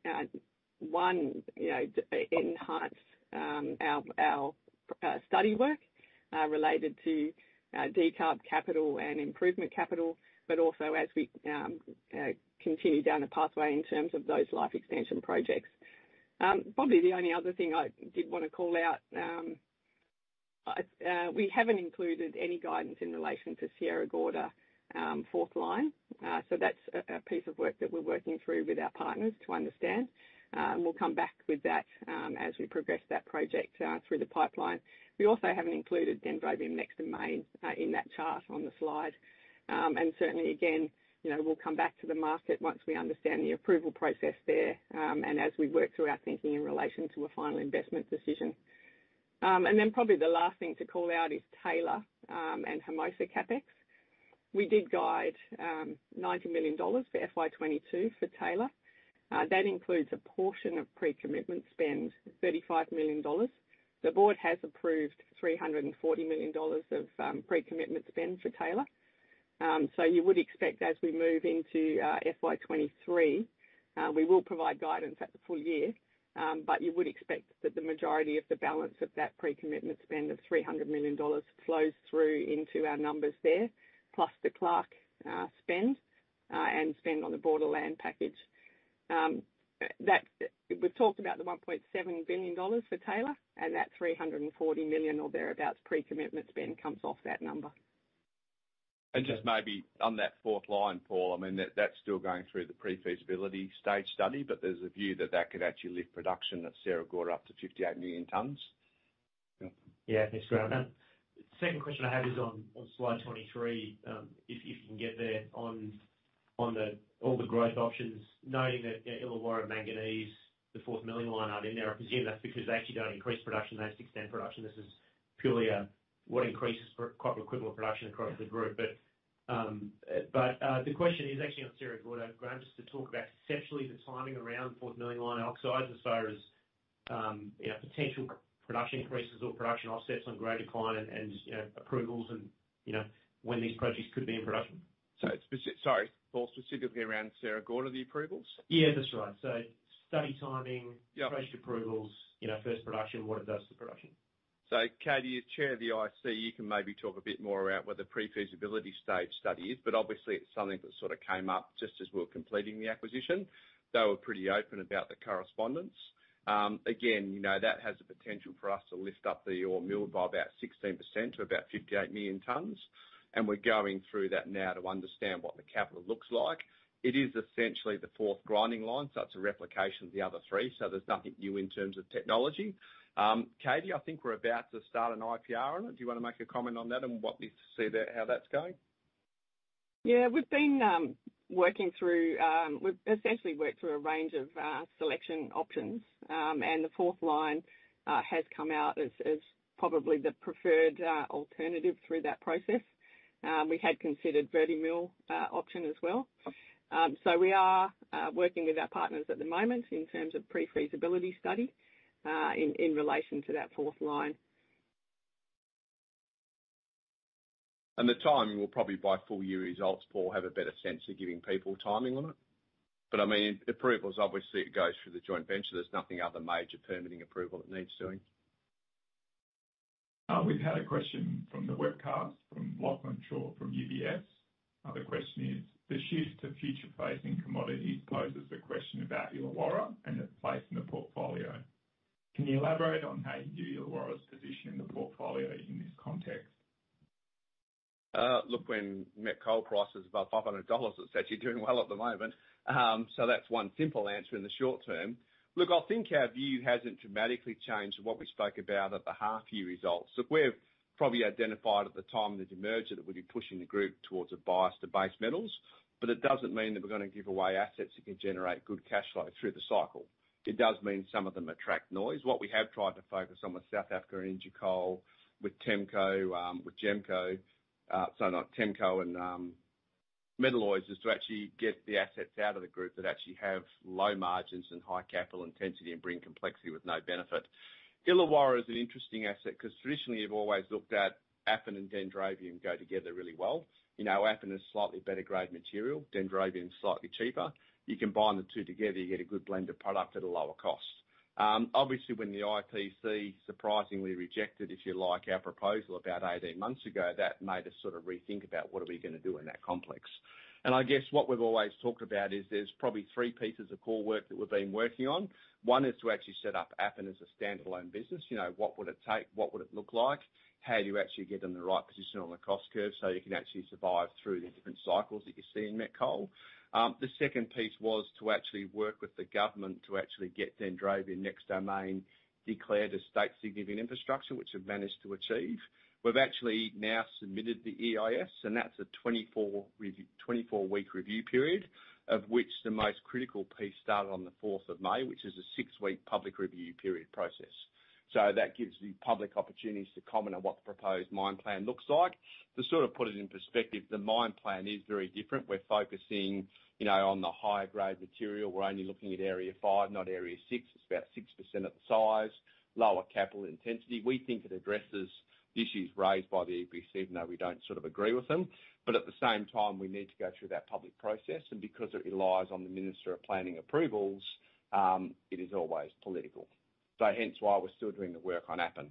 enhance our study work related to decarb capital and improvement capital, but also as we continue down the pathway in terms of those life expansion projects. Probably the only other thing I did want to call out, we haven't included any guidance in relation to Sierra Gorda fourth line. So that's a piece of work that we're working through with our partners to understand. We'll come back with that, as we progress that project through the pipeline. We also haven't included Dendrobium extension mine in that chart on the slide. Certainly, again, you know, we'll come back to the market once we understand the approval process there, and as we work through our thinking in relation to a final investment decision. Then probably the last thing to call out is Taylor and Hermosa CapEx. We did guide $90 million for FY 2022 for Taylor. That includes a portion of pre-commitment spend, $35 million. The board has approved $340 million of pre-commitment spend for Taylor. So you would expect as we move into FY 2023, we will provide guidance at the full year, but you would expect that the majority of the balance of that pre-commitment spend of $300 million flows through into our numbers there, plus the Clark spend, and spend on the borderland package. That we've talked about the $1.7 billion for Taylor, and that $340 million or thereabout pre-commitment spend comes off that number. Just maybe on that fourth line, Paul, I mean, that, that's still going through the pre-feasibility stage study, but there's a view that that could actually lift production at Sierra Gorda up to 58 million tons. Yeah, that's great. The second question I have is on slide 23, if you can get there, on the all the growth options, knowing that, you know, Illawarra Manganese, the fourth milling line aren't in there, I presume that's because they actually don't increase production, they just extend production. This is purely what increases copper equivalent production across the group. But the question is actually on Sierra Gorda, Graham, just to talk about essentially the timing around fourth milling line oxides as far as, you know, potential production increases or production offsets on grade decline and, you know, approvals and, you know, when these projects could be in production. So it's sorry, Paul, specifically around Sierra Gorda, the approvals? Yeah, that's right. So study timing- Yeah. Project approvals, you know, first production, what it does to production. So, Katie, as chair of the IC, you can maybe talk a bit more about what the pre-feasibility stage study is, but obviously, it's something that sort of came up just as we were completing the acquisition. They were pretty open about the correspondence. Again, you know, that has the potential for us to lift up the ore mill by about 16% to about 58 million tons, and we're going through that now to understand what the capital looks like. It is essentially the fourth grinding line, so it's a replication of the other three, so there's nothing new in terms of technology. Katie, I think we're about to start an IPR on it. Do you want to make a comment on that and what we see there, how that's going?... Yeah, we've been working through. We've essentially worked through a range of selection options. And the fourth line has come out as probably the preferred alternative through that process. We had considered Vertimill option as well. So we are working with our partners at the moment in terms of pre-feasibility study in relation to that fourth line. The timing will probably be full year results, Paul, have a better sense of giving people timing on it. But I mean, approvals, obviously, it goes through the joint venture. There's nothing other major permitting approval that needs doing. We've had a question from the webcast, from Lachlan Shaw, from UBS. The question is: the shift to future-facing commodities poses the question about Illawarra and its place in the portfolio. Can you elaborate on how you view Illawarra's position in the portfolio in this context? Look, when met coal price is about $500, it's actually doing well at the moment. So that's one simple answer in the short term. Look, I think our view hasn't dramatically changed what we spoke about at the half year results. Look, we've probably identified at the time of the demerger that we'd be pushing the group towards a bias to base metals, but it doesn't mean that we're gonna give away assets that can generate good cash flow through the cycle. It does mean some of them attract noise. What we have tried to focus on with South Africa Manganese with TEMCO, with GEMCO, so not TEMCO and, Metalloys, is to actually get the assets out of the group that actually have low margins and high capital intensity and bring complexity with no benefit. Illawarra is an interesting asset because traditionally, you've always looked at Appin and Dendrobium go together really well. You know, Appin is slightly better grade material, Dendrobium is slightly cheaper. You combine the two together, you get a good blend of product at a lower cost. Obviously, when the IPC surprisingly rejected, if you like, our proposal about 18 months ago, that made us sort of rethink about what are we gonna do in that complex. And I guess what we've always talked about is there's probably three pieces of core work that we've been working on. One is to actually set up Appin as a standalone business. You know, what would it take? What would it look like? How do you actually get in the right position on the cost curve so you can actually survive through the different cycles that you see in met coal? The second piece was to actually work with the government to actually get Dendrobium Next Domain declared as state significant infrastructure, which we've managed to achieve. We've actually now submitted the EIS, and that's a 24-week review period, of which the most critical piece started on the fourth of May, which is a 6-week public review period process. So that gives the public opportunities to comment on what the proposed mine plan looks like. To sort of put it in perspective, the mine plan is very different. We're focusing, you know, on the higher grade material. We're only looking at Area 5, not Area 6. It's about 6% of the size, lower capital intensity. We think it addresses the issues raised by the EPC, even though we don't sort of agree with them. But at the same time, we need to go through that public process, and because it relies on the Minister of Planning approvals, it is always political. So hence why we're still doing the work on Appin.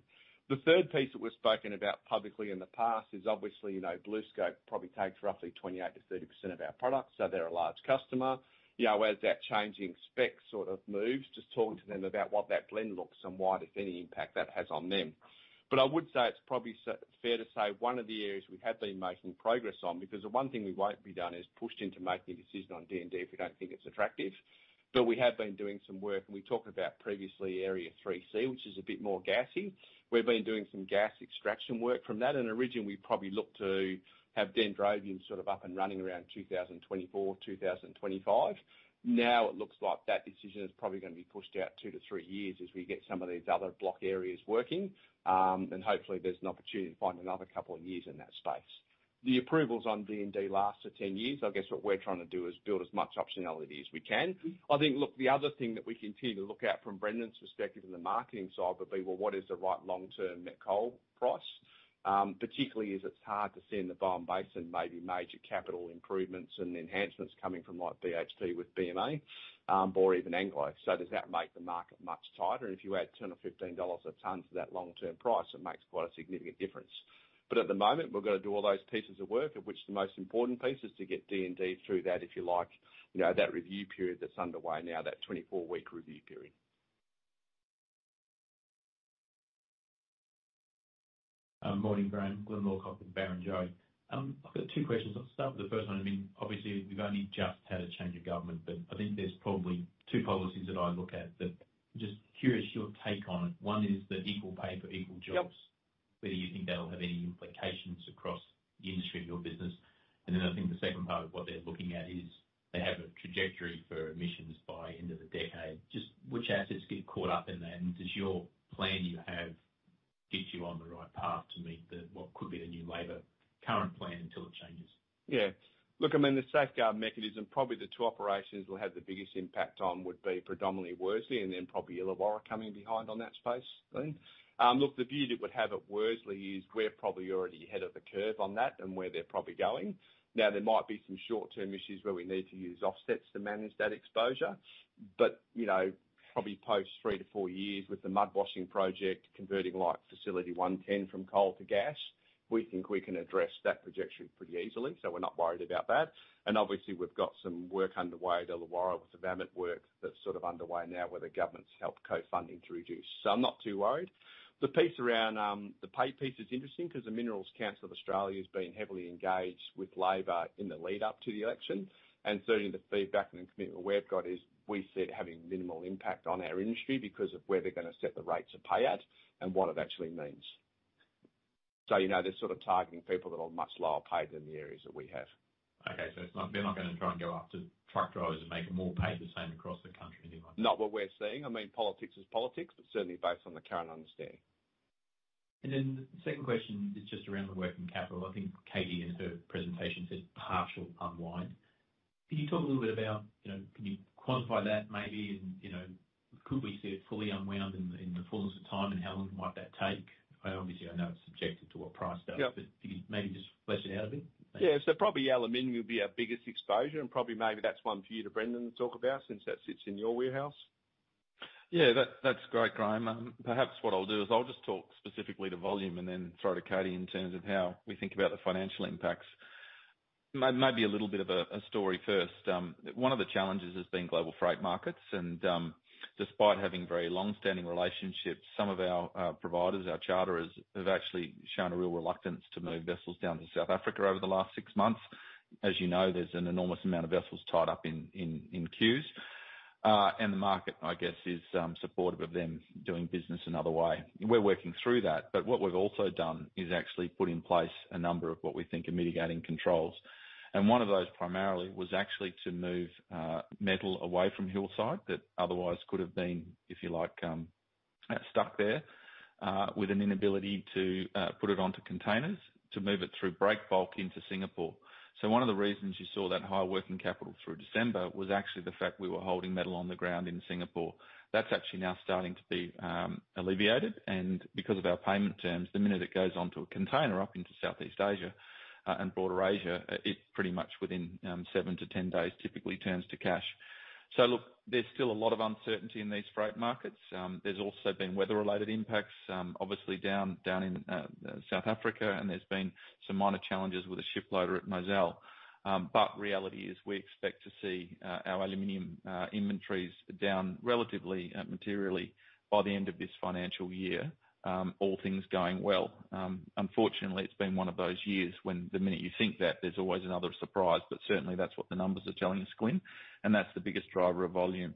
The third piece that we've spoken about publicly in the past is obviously, you know, BlueScope probably takes roughly 28%-30% of our products, so they're a large customer. You know, as that changing spec sort of moves, just talking to them about what that blend looks and what, if any, impact that has on them. But I would say it's probably fair to say one of the areas we have been making progress on, because the one thing we won't be done is pushed into making a decision on DND if we don't think it's attractive. But we have been doing some work, and we talked about previously Area 3C, which is a bit more gassy. We've been doing some gas extraction work from that, and originally, we probably looked to have Dendrobium sort of up and running around 2024, 2025. Now, it looks like that decision is probably gonna be pushed out 2-3 years as we get some of these other block areas working. And hopefully, there's an opportunity to find another couple of years in that space. The approvals on D&D last to 10 years. I guess what we're trying to do is build as much optionality as we can. I think, look, the other thing that we continue to look at from Brendan's perspective on the marketing side would be, well, what is the right long-term net coal price? Particularly as it's hard to see in the Bowen Basin, maybe major capital improvements and enhancements coming from like, BHP with BMA, or even Anglo. So does that make the market much tighter? And if you add $10 or $15 a ton to that long-term price, it makes quite a significant difference. But at the moment, we're gonna do all those pieces of work, of which the most important piece is to get DND through that, if you like, you know, that review period that's underway now, that 24-week review period. Morning, Graham. Glyn Lawcock with Barrenjoey. I've got two questions. I'll start with the first one. I mean, obviously, we've only just had a change of government, but I think there's probably two policies that I look at that I'm just curious your take on. One is the equal pay for equal jobs- Yep. Whether you think that'll have any implications across the industry or your business. And then I think the second part of what they're looking at is, they have a trajectory for emissions by end of the decade. Just which assets get caught up in that, and does your plan you have, get you on the right path to meet the, what could be the new labor current plan until it changes? Yeah. Look, I mean, the Safeguard Mechanism, probably the two operations will have the biggest impact on would be predominantly Worsley and then probably Illawarra coming behind on that space, I think. Look, the view that would have at Worsley is we're probably already ahead of the curve on that and where they're probably going. Now, there might be some short-term issues where we need to use offsets to manage that exposure, but, you know, probably post 3-4 years with the mud washing project, converting like Facility 110 from coal to gas, we think we can address that projection pretty easily, so we're not worried about that. And obviously, we've got some work underway at Illawarra with the VAM work that's sort of underway now, where the government's helped co-funding to reduce. So I'm not too worried. The piece around, the pay piece is interesting because the Minerals Council of Australia has been heavily engaged with labor in the lead up to the election, and certainly the feedback and commitment we've got is we see it having minimal impact on our industry because of where they're gonna set the rates of pay at and what it actually means.... So, you know, they're sort of targeting people that are much lower paid than the areas that we have. Okay, so they're not gonna try and go after truck drivers and make them all pay the same across the country, anyone? Not what we're seeing. I mean, politics is politics, but certainly based on the current understanding. Then the second question is just around the working capital. I think Katie, in her presentation, said partial unwind. Can you talk a little bit about, you know, can you quantify that maybe? And, you know, could we see it fully unwound in the fullness of time, and how long might that take? Obviously, I know it's subjected to what price does. Yep. Can you maybe just flesh it out a bit? Yeah, so probably aluminum would be our biggest exposure, and probably maybe that's one for you, Brendan, to talk about, since that sits in your warehouse. Yeah, that, that's great, Graham. Perhaps what I'll do is I'll just talk specifically to volume and then throw to Katie in terms of how we think about the financial impacts. Maybe a little bit of a story first. One of the challenges has been global freight markets, and, despite having very long-standing relationships, some of our, providers, our charterers, have actually shown a real reluctance to move vessels down to South Africa over the last six months. As you know, there's an enormous amount of vessels tied up in queues. And the market, I guess, is supportive of them doing business another way. We're working through that, but what we've also done is actually put in place a number of what we think are mitigating controls. One of those primarily was actually to move metal away from Hillside that otherwise could have been, if you like, stuck there with an inability to put it onto containers, to move it through break bulk into Singapore. So one of the reasons you saw that high working capital through December was actually the fact we were holding metal on the ground in Singapore. That's actually now starting to be alleviated, and because of our payment terms, the minute it goes onto a container up into Southeast Asia and broader Asia, it pretty much within 7-10 days, typically turns to cash. So look, there's still a lot of uncertainty in these freight markets. There's also been weather-related impacts, obviously, down in South Africa, and there's been some minor challenges with the ship loader at Mozal. But reality is, we expect to see our aluminum inventories down relatively materially by the end of this financial year, all things going well. Unfortunately, it's been one of those years when the minute you think that, there's always another surprise, but certainly that's what the numbers are telling us, Quinn, and that's the biggest driver of volume.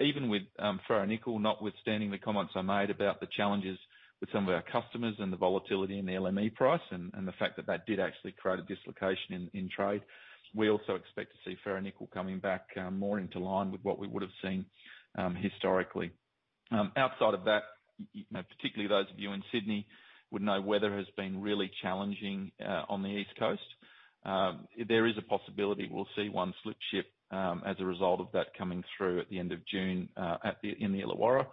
Even with ferronickel, notwithstanding the comments I made about the challenges with some of our customers and the volatility in the LME price, and the fact that that did actually create a dislocation in trade, we also expect to see ferronickel coming back more into line with what we would have seen historically. Outside of that, you know, particularly those of you in Sydney, would know weather has been really challenging on the East Coast. There is a possibility we'll see one slip ship as a result of that coming through at the end of June at the, in the Illawarra.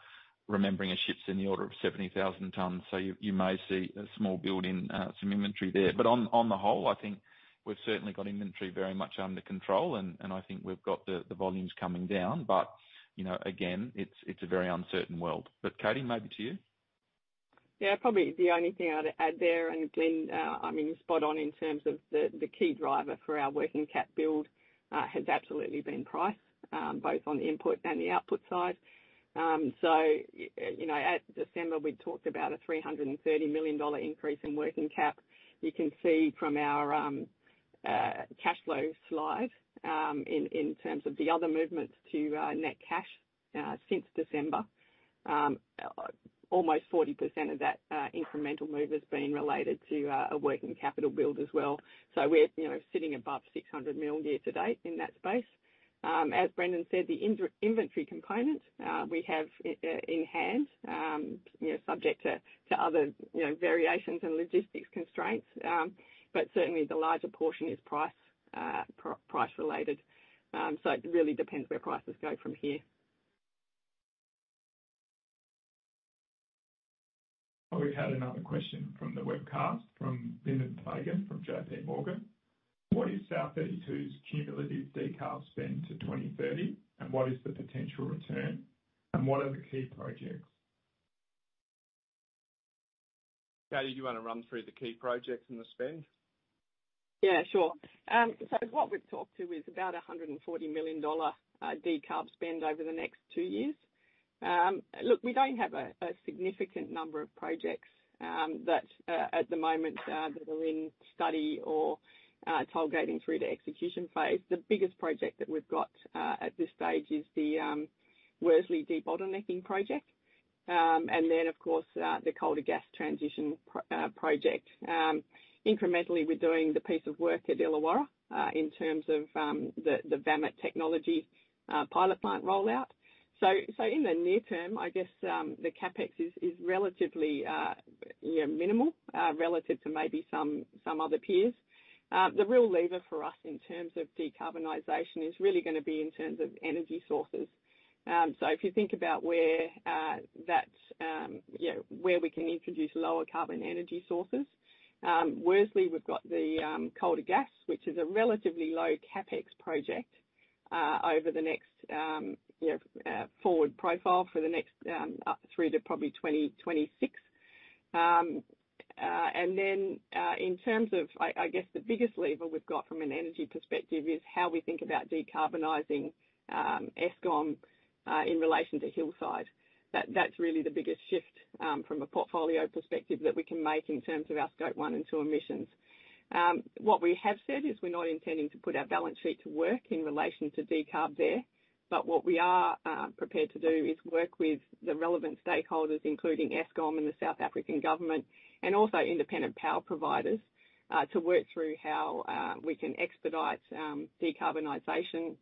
Remembering a ship's in the order of 70,000 tons, so you may see a small build in some inventory there. But on the whole, I think we've certainly got inventory very much under control, and I think we've got the volumes coming down. But, you know, again, it's a very uncertain world. But Katie, maybe to you? Yeah, probably the only thing I'd add there, and Glyn, I mean, you're spot on in terms of the key driver for our working cap build has absolutely been price, both on the input and the output side. So, you know, at December, we talked about a $330 million increase in working cap. You can see from our cash flow slide, in terms of the other movements to net cash since December, almost 40% of that incremental move has been related to a working capital build as well. So we're, you know, sitting above $600 million year to date in that space. As Brendan said, the inventory component, we have it in hand, you know, subject to other, you know, variations and logistics constraints, but certainly the larger portion is price related. So it really depends where prices go from here. We've had another question from the webcast, from Lyndon Fagan, from JPMorgan. What is South32's cumulative decarb spend to 2030? And what is the potential return? And what are the key projects? Katie, do you want to run through the key projects and the spend? Yeah, sure. So what we've talked to is about $140 million decarb spend over the next two years. Look, we don't have a significant number of projects that at the moment that are in study or stage gating through the execution phase. The biggest project that we've got at this stage is the Worsley debottlenecking project. And then, of course, the coal to gas transition project. Incrementally, we're doing the piece of work at Illawarra in terms of the VAM abatement technology pilot plant rollout. So in the near term, I guess, the CapEx is relatively you know minimal relative to maybe some other peers. The real lever for us in terms of decarbonization is really gonna be in terms of energy sources. So if you think about where that's, you know, where we can introduce lower carbon energy sources, Worsley, we've got the colder gas, which is a relatively low CapEx project over the next, you know, forward profile for the next up through to probably 2026. And then, in terms of, I guess, the biggest lever we've got from an energy perspective is how we think about decarbonizing Eskom in relation to Hillside. That's really the biggest shift from a portfolio perspective that we can make in terms of our Scope 1 and 2 emissions. What we have said is we're not intending to put our balance sheet to work in relation to decarb there, but what we are prepared to do is work with the relevant stakeholders, including Eskom and the South African government, and also independent power providers, to work through how we can expedite decarbonization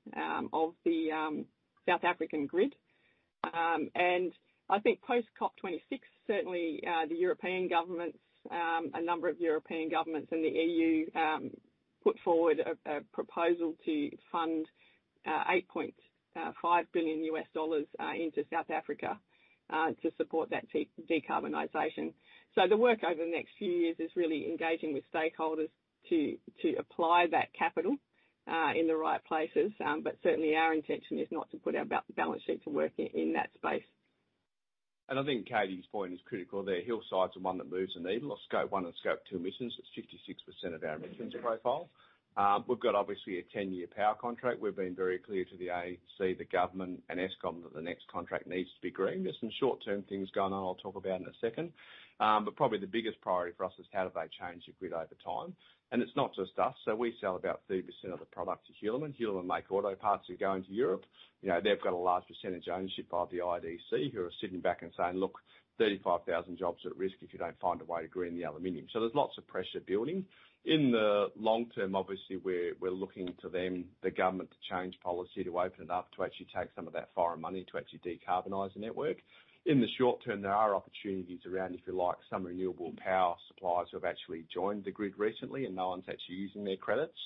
of the South African grid. And I think post-COP26, certainly, the European governments, a number of European governments in the EU, put forward a proposal to fund $8.5 billion into South Africa to support that decarbonization. So the work over the next few years is really engaging with stakeholders to apply that capital in the right places. But certainly, our intention is not to put our balance sheet to work in that space. And I think Katie's point is critical there. Hillside's the one that moves the needle, or Scope 1 and Scope 2 emissions, it's 56% of our emissions profile. We've got, obviously, a 10-year power contract. We've been very clear to the AEC, the government, and Eskom, that the next contract needs to be green. There's some short-term things going on, I'll talk about in a second. But probably the biggest priority for us is how do they change the grid over time? And it's not just us. So we sell about 30% of the product to Hulamin. Hulamin make auto parts that are going to Europe. You know, they've got a large percentage ownership by the IDC, who are sitting back and saying, "Look, 35,000 jobs are at risk if you don't find a way to green the aluminum." So there's lots of pressure building. In the long term, obviously, we're looking to them, the government, to change policy, to open it up, to actually take some of that foreign money to actually decarbonize the network. In the short term, there are opportunities around, if you like, some renewable power suppliers who have actually joined the grid recently, and no one's actually using their credits.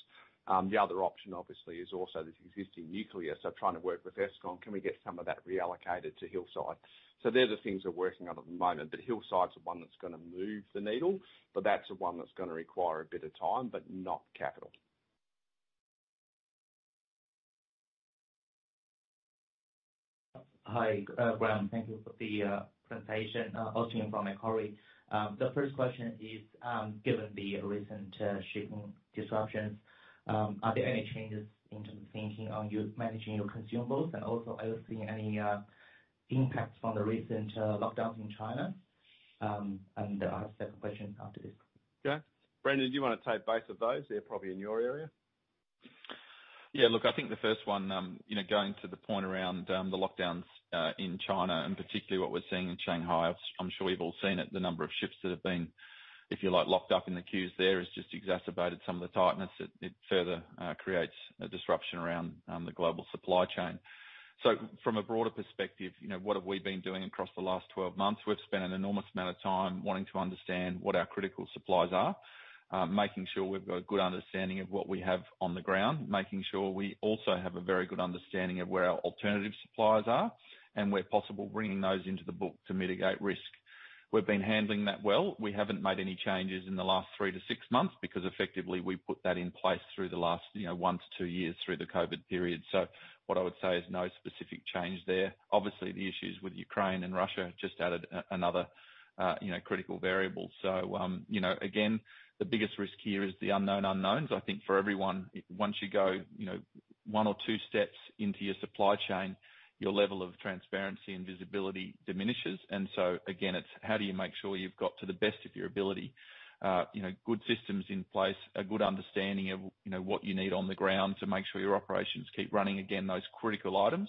The other option, obviously, is also there's existing nuclear, so trying to work with Eskom, can we get some of that reallocated to Hillside? So they're the things we're working on at the moment, but Hillside's the one that's gonna move the needle, but that's the one that's gonna require a bit of time, but not capital. Hi, Graham. Thank you for the presentation. Austin from Macquarie. The first question is, given the recent shipping disruptions, are there any changes in terms of thinking on you managing your consumables? And also, are you seeing any impacts from the recent lockdowns in China? And I have a second question after this. Okay. Brendan, do you want to take both of those? They're probably in your area. Yeah, look, I think the first one, you know, going to the point around the lockdowns in China, and particularly what we're seeing in Shanghai. I'm sure you've all seen it, the number of ships that have been, if you like, locked up in the queues there, has just exacerbated some of the tightness. It, it further creates a disruption around the global supply chain. So from a broader perspective, you know, what have we been doing across the last 12 months? We've spent an enormous amount of time wanting to understand what our critical supplies are, making sure we've got a good understanding of what we have on the ground, making sure we also have a very good understanding of where our alternative suppliers are, and where possible, bringing those into the book to mitigate risk. We've been handling that well. We haven't made any changes in the last 3-6 months, because effectively, we put that in place through the last, you know, 1-2 years, through the COVID period. So what I would say is no specific change there. Obviously, the issues with Ukraine and Russia just added another, you know, critical variable. So, you know, again, the biggest risk here is the unknown unknowns. I think for everyone, once you go, you know, one or two steps into your supply chain, your level of transparency and visibility diminishes. And so again, it's how do you make sure you've got, to the best of your ability, you know, good systems in place, a good understanding of, you know, what you need on the ground to make sure your operations keep running, again, those critical items,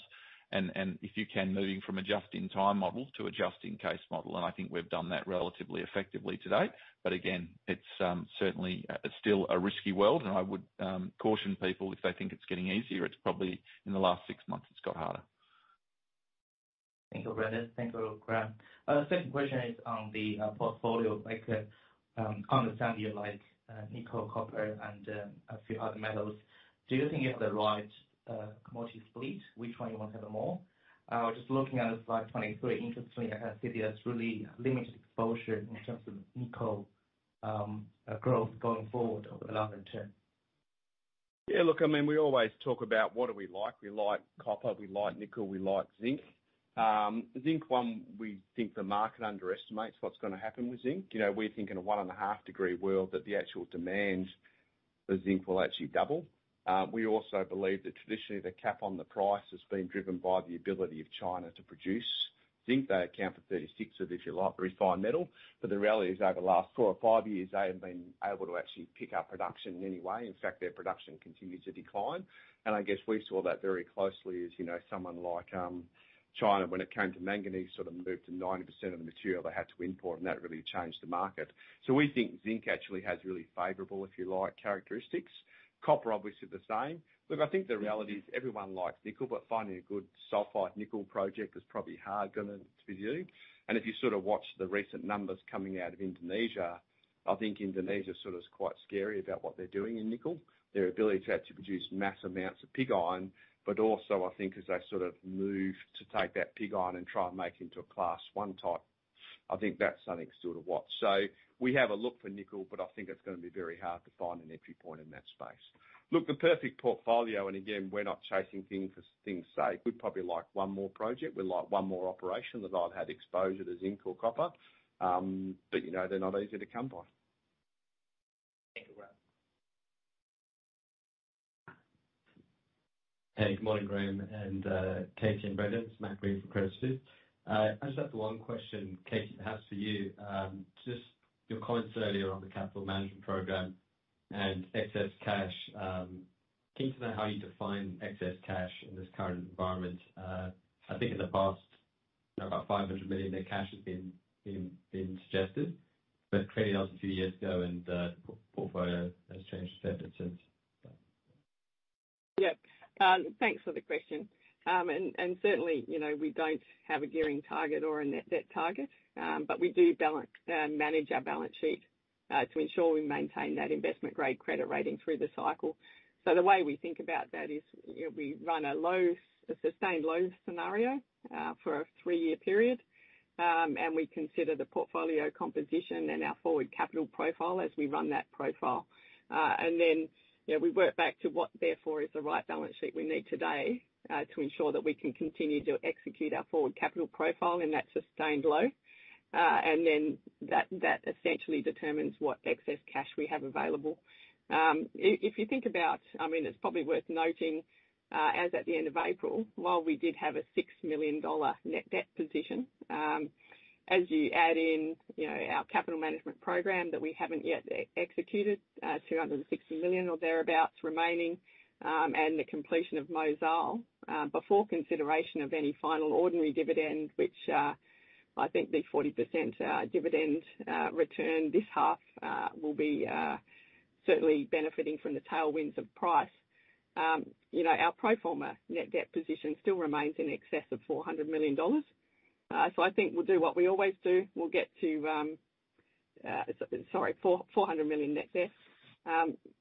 and if you can, moving from adjust in time model to adjust in case model, and I think we've done that relatively effectively to date. But again, it's certainly, it's still a risky world, and I would caution people if they think it's getting easier, it's probably... in the last six months, it's got harder. Thank you, Brendan. Thank you, Graham. Second question is on the portfolio. Like, understand you like nickel, copper, and a few other metals. Do you think you have the right commodity split? Which one you want to have more? Just looking at it, like, 23, interestingly, I can see there's really limited exposure in terms of nickel growth going forward over the longer term. Yeah, look, I mean, we always talk about what do we like? We like copper, we like nickel, we like zinc. Zinc one, we think the market underestimates what's gonna happen with zinc. You know, we think in a 1.5-degree world, that the actual demand for zinc will actually double. We also believe that traditionally, the cap on the price has been driven by the ability of China to produce zinc. They account for 36% of, if you like, the refined metal, but the reality is, over the last 4 or 5 years, they haven't been able to actually pick up production in any way. In fact, their production continues to decline, and I guess we saw that very closely as, you know, someone like China, when it came to manganese, sort of moved to 90% of the material they had to import, and that really changed the market. So we think zinc actually has really favorable, if you like, characteristics. Copper, obviously the same. Look, I think the reality is, everyone likes nickel, but finding a good sulfide nickel project is probably harder than it's been doing. And if you sort of watch the recent numbers coming out of Indonesia, I think Indonesia sort of is quite scary about what they're doing in nickel. Their ability to actually produce mass amounts of pig iron, but also, I think, as they sort of move to take that pig iron and try and make it into a Class 1 type, I think that's something still to watch. So we have a look for nickel, but I think it's gonna be very hard to find an entry point in that space. Look, the perfect portfolio, and again, we're not chasing things for things' sake. We'd probably like one more project, we'd like one more operation, that I'd have exposure to zinc or copper, but you know, they're not easy to come by. Thank you, Graham. Hey, good morning, Graham and Katie and Brendan. It's Matt Greene from Credit Suisse. I just have the one question, Katie, perhaps for you. Just your comments earlier on the capital management program and excess cash, keen to know how you define excess cash in this current environment. I think in the past, you know, about $500 million, that cash has been suggested, but clearly that was a few years ago, and the portfolio has changed significantly since. Yeah. Thanks for the question. And certainly, you know, we don't have a gearing target or a net debt target, but we do manage our balance sheet to ensure we maintain that investment-grade credit rating through the cycle. So the way we think about that is, you know, we run a sustained low scenario for a three-year period. And we consider the portfolio composition and our forward capital profile as we run that profile. And then, you know, we work back to what therefore is the right balance sheet we need today to ensure that we can continue to execute our forward capital profile, and that's sustained low. And then that essentially determines what excess cash we have available. If you think about—I mean, it's probably worth noting, as at the end of April, while we did have a $6 million net debt position, as you add in, you know, our capital management program that we haven't yet executed, $260 million or thereabouts remaining, and the completion of Mozal, before consideration of any final ordinary dividend, which, I think the 40% dividend return this half, will be certainly benefiting from the tailwinds of price. You know, our pro forma net debt position still remains in excess of $400 million. So I think we'll do what we always do. We'll get to... Sorry, $400 million net debt.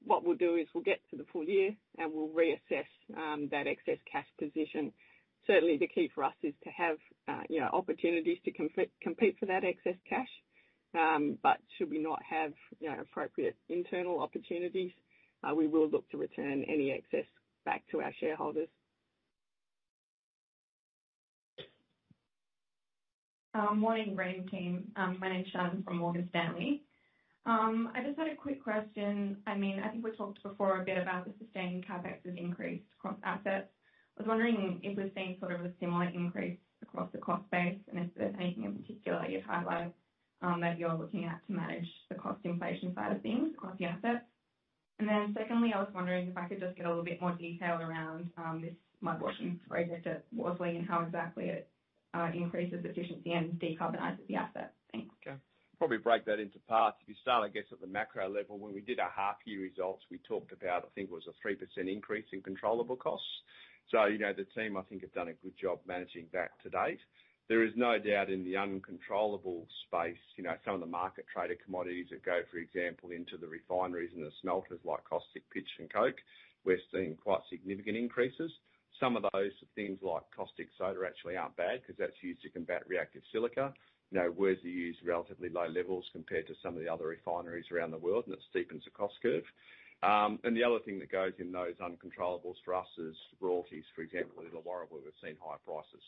What we'll do is we'll get to the full year, and we'll reassess that excess cash position. Certainly, the key for us is to have, you know, opportunities to compete for that excess cash. But should we not have, you know, appropriate internal opportunities, we will look to return any excess back to our shareholders. Morning, Graham team. My name's Shannon from Morgan Stanley. I just had a quick question. I mean, I think we talked before a bit about the sustaining CapEx has increased across assets. I was wondering if we're seeing sort of a similar increase across the cost base, and if there's anything in particular you'd highlight that you're looking at to manage the cost inflation side of things across the assets? And then secondly, I was wondering if I could just get a little bit more detail around this mud washing project at Worsley, and how exactly it increases efficiency and decarbonizes the asset. Thanks. Okay. Probably break that into parts. If you start, I guess, at the macro level, when we did our half-year results, we talked about, I think it was a 3% increase in controllable costs. So, you know, the team, I think, have done a good job managing that to date. There is no doubt in the uncontrollable space, you know, some of the market-traded commodities that go, for example, into the refineries and the smelters, like caustic, pitch, and coke, we're seeing quite significant increases. Some of those things, like caustic soda, actually aren't bad because that's used to combat reactive silica. You know, Worsley uses relatively low levels compared to some of the other refineries around the world, and it steepens the cost curve. And the other thing that goes in those uncontrollables for us is royalties, for example, in the Illawarra, where we've seen high prices.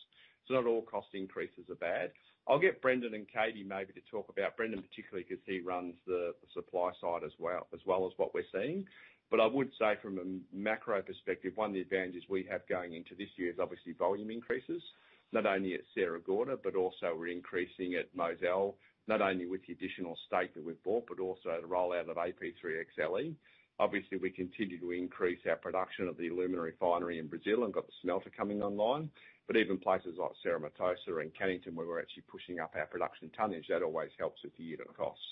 So not all cost increases are bad. I'll get Brendan and Katie maybe to talk about... Brendan, particularly, because he runs the supply side as well as what we're seeing. But I would say from a macro perspective, one of the advantages we have going into this year is obviously volume increases, not only at Sierra Gorda, but also we're increasing at Mozal, not only with the additional stake that we've bought, but also the rollout of AP3XLE. Obviously, we continue to increase our production of the alumina refinery in Brazil and got the smelter coming online. But even places like Cerro Matoso and Cannington, where we're actually pushing up our production tonnage, that always helps with unit costs.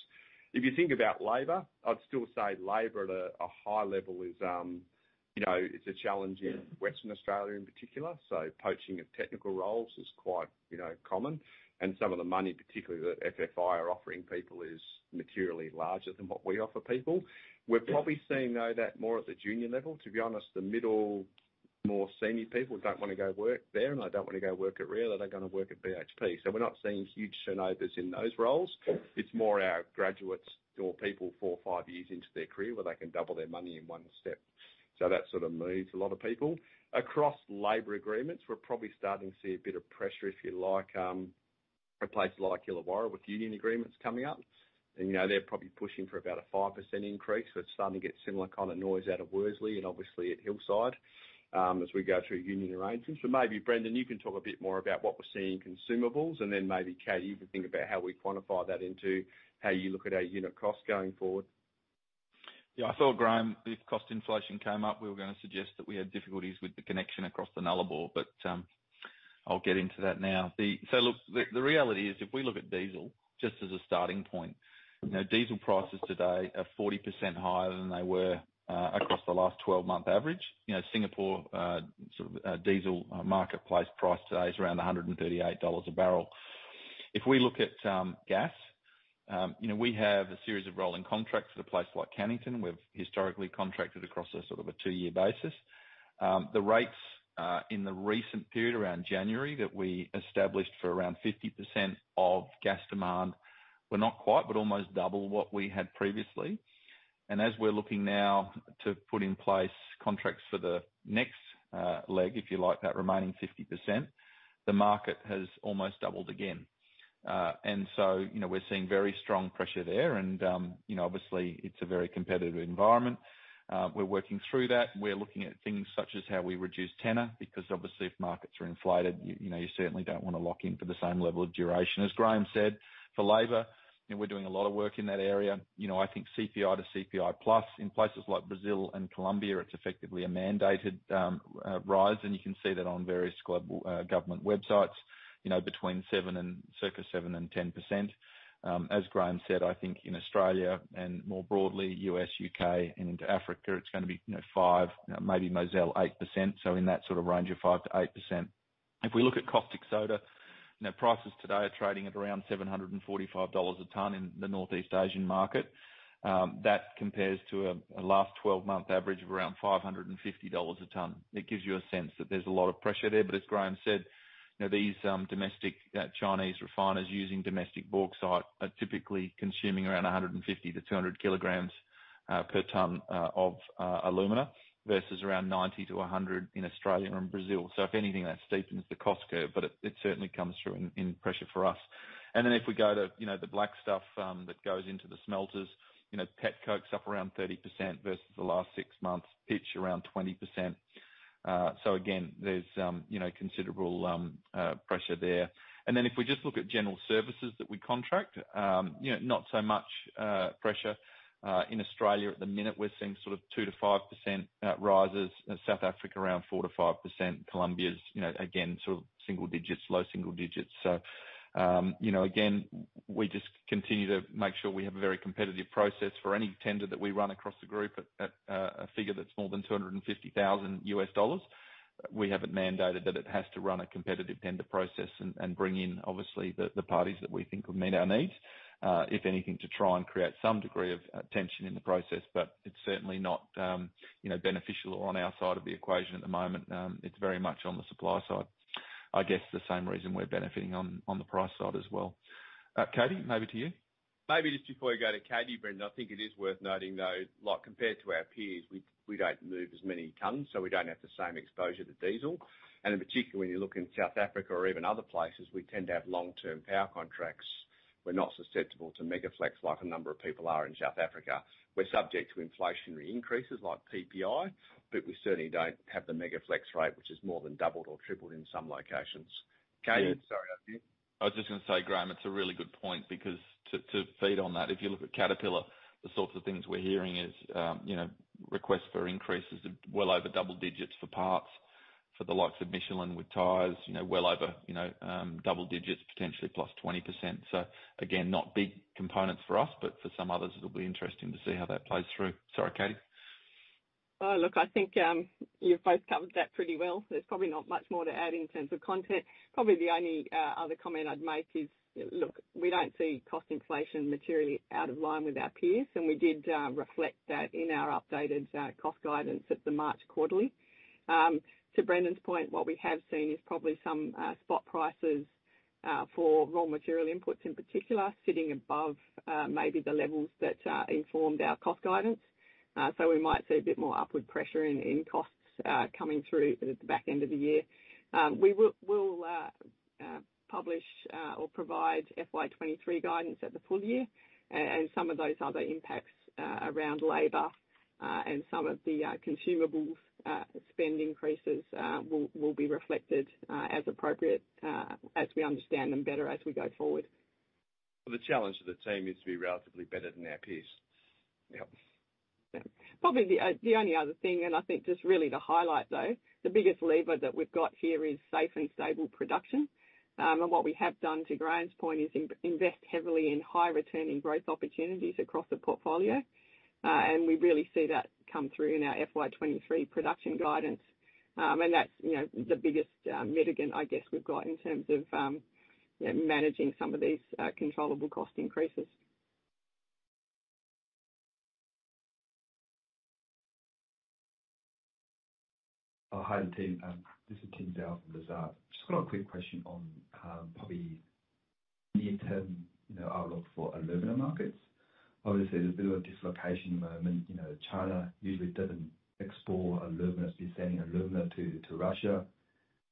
If you think about labor, I'd still say labor at a high level is, you know, is a challenge in Western Australia in particular, so poaching of technical roles is quite, you know, common. And some of the money, particularly that FFI are offering people, is materially larger than what we offer people. We're probably seeing, though, that more at the junior level. To be honest, the middle, more senior people don't want to go work there, and they don't want to go work at Rio, they're going to work at BHP. So we're not seeing huge turnovers in those roles. It's more our graduates or people 4, 5 years into their career where they can double their money in one step. So that sort of moves a lot of people. Across labor agreements, we're probably starting to see a bit of pressure, if you like, a place like Illawarra, with union agreements coming up, and you know, they're probably pushing for about a 5% increase. So it's starting to get similar kind of noise out of Worsley and obviously at Hillside, as we go through union arrangements. But maybe, Brendan, you can talk a bit more about what we're seeing in consumables, and then maybe, Katie, you can think about how we quantify that into how you look at our unit costs going forward. Yeah, I saw, Graham, if cost inflation came up, we were gonna suggest that we had difficulties with the connection across the Nullarbor, but, I'll get into that now. So look, the reality is, if we look at diesel, just as a starting point, you know, diesel prices today are 40% higher than they were across the last 12-month average. You know, Singapore sort of diesel marketplace price today is around $138 a barrel. If we look at gas, you know, we have a series of rolling contracts at a place like Cannington. We've historically contracted across a sort of a two-year basis. The rates in the recent period, around January, that we established for around 50% of gas demand, were not quite, but almost double what we had previously. As we're looking now to put in place contracts for the next leg, if you like, that remaining 50%, the market has almost doubled again. And so, you know, we're seeing very strong pressure there, and, you know, obviously it's a very competitive environment. We're working through that. We're looking at things such as how we reduce tenor, because obviously if markets are inflated, you know, you certainly don't wanna lock in for the same level of duration. As Graham said, for labor, you know, we're doing a lot of work in that area. You know, I think CPI to CPI plus, in places like Brazil and Colombia, it's effectively a mandated rise, and you can see that on various global government websites, you know, between 7%-10%. As Graham said, I think in Australia, and more broadly, U.S., U.K., and into Africa, it's gonna be, you know, 5%, maybe Mozal, 8%, so in that sort of range of 5%-8%. If we look at caustic soda, you know, prices today are trading at around $745 a ton in the Northeast Asian market. That compares to a last 12-month average of around $550 a ton. It gives you a sense that there's a lot of pressure there, but as Graham said, you know, these domestic Chinese refiners using domestic bauxite are typically consuming around 150-200 kg per ton of alumina, versus around 90-100 kg per ton in Australia and Brazil. So if anything, that steepens the cost curve, but it, it certainly comes through in, in pressure for us. And then, if we go to, you know, the black stuff, that goes into the smelters, you know, petcoke's up around 30% versus the last six months, pitch around 20%. So again, there's, you know, considerable pressure there. And then, if we just look at general services that we contract, you know, not so much pressure in Australia at the minute. We're seeing sort of 2%-5% rises. In South Africa, around 4%-5%. Colombia's, you know, again, sort of single digits, low single digits. So, you know, again, we just continue to make sure we have a very competitive process for any tender that we run across the group at a figure that's more than $250,000, we have it mandated that it has to run a competitive tender process, and bring in, obviously, the parties that we think will meet our needs. If anything, to try and create some degree of tension in the process, but it's certainly not, you know, beneficial on our side of the equation at the moment. It's very much on the supply side. I guess the same reason we're benefiting on the price side as well. Katie, over to you. Maybe just before we go to Katie, Brendan, I think it is worth noting, though, like, compared to our peers, we, we don't move as many tons, so we don't have the same exposure to diesel. And in particular, when you look in South Africa or even other places, we tend to have long-term power contracts. We're not susceptible to MegaFlex, like a number of people are in South Africa. We're subject to inflationary increases, like PPI, but we certainly don't have the MegaFlex rate, which is more than doubled or tripled in some locations. Katie, sorry, over to you. I was just gonna say, Graham, it's a really good point, because to feed on that, if you look at Caterpillar, the sorts of things we're hearing is, you know, requests for increases of well over double digits for parts. For the likes of Michelin with tires, you know, well over, you know, double digits, potentially +20%. So again, not big components for us, but for some others, it'll be interesting to see how that plays through. Sorry, Katie. Well, look, I think, you've both covered that pretty well. There's probably not much more to add in terms of content. Probably the only, other comment I'd make is, look, we don't see cost inflation materially out of line with our peers, and we did, reflect that in our updated, cost guidance at the March quarterly. To Brendan's point, what we have seen is probably some, spot prices, for raw material inputs, in particular, sitting above, maybe the levels that, informed our cost guidance. So we might see a bit more upward pressure in costs, coming through at the back end of the year. We will publish or provide FY 2023 guidance at the full year, and some of those other impacts around labor and some of the consumables spend increases will be reflected as appropriate as we understand them better as we go forward. Well, the challenge to the team is to be relatively better than our peers. Yep. Yeah. Probably the only other thing, and I think just really to highlight, though, the biggest lever that we've got here is safe and stable production. And what we have done, to Graham's point, is invest heavily in high-returning growth opportunities across the portfolio. And we really see that come through in our FY 2023 production guidance. And that's, you know, the biggest mitigant, I guess, we've got in terms of yeah, managing some of these controllable cost increases. Oh, hi, team. This is Tim Zhao from Lazard. Just got a quick question on probably near-term, you know, outlook for alumina markets. Obviously, there's a bit of a dislocation at the moment. You know, China usually doesn't export alumina, sending alumina to Russia.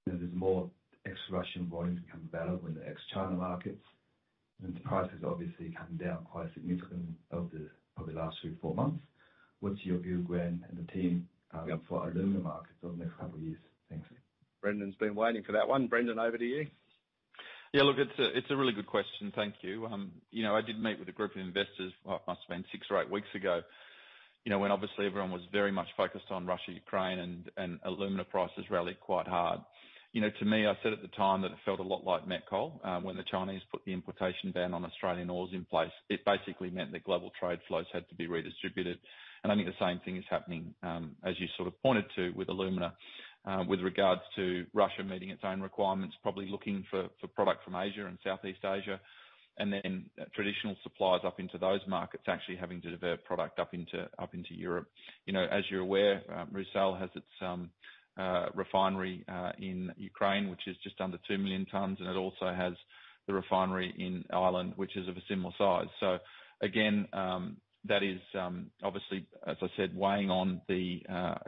You know, there's more ex-Russian volumes become available in the ex-China markets, and the price has obviously come down quite significantly over the probably the last three, four months. What's your view, Graham, and the team, for alumina markets over the next couple years? Thanks. Brendan's been waiting for that one. Brendan, over to you. Yeah, look, it's a, it's a really good question, thank you. You know, I did meet with a group of investors, must've been 6 or 8 weeks ago, you know, when obviously everyone was very much focused on Russia, Ukraine, and alumina prices rallied quite hard. You know, to me, I said at the time that it felt a lot like met coal, when the Chinese put the importation ban on Australian ores in place. It basically meant that global trade flows had to be redistributed, and I think the same thing is happening, as you sort of pointed to with alumina, with regards to Russia meeting its own requirements, probably looking for product from Asia and Southeast Asia. And then traditional suppliers up into those markets, actually having to divert product up into Europe. You know, as you're aware, Rusal has its refinery in Ukraine, which is just under 2 million tons, and it also has the refinery in Ireland, which is of a similar size. So again, that is obviously, as I said, weighing on the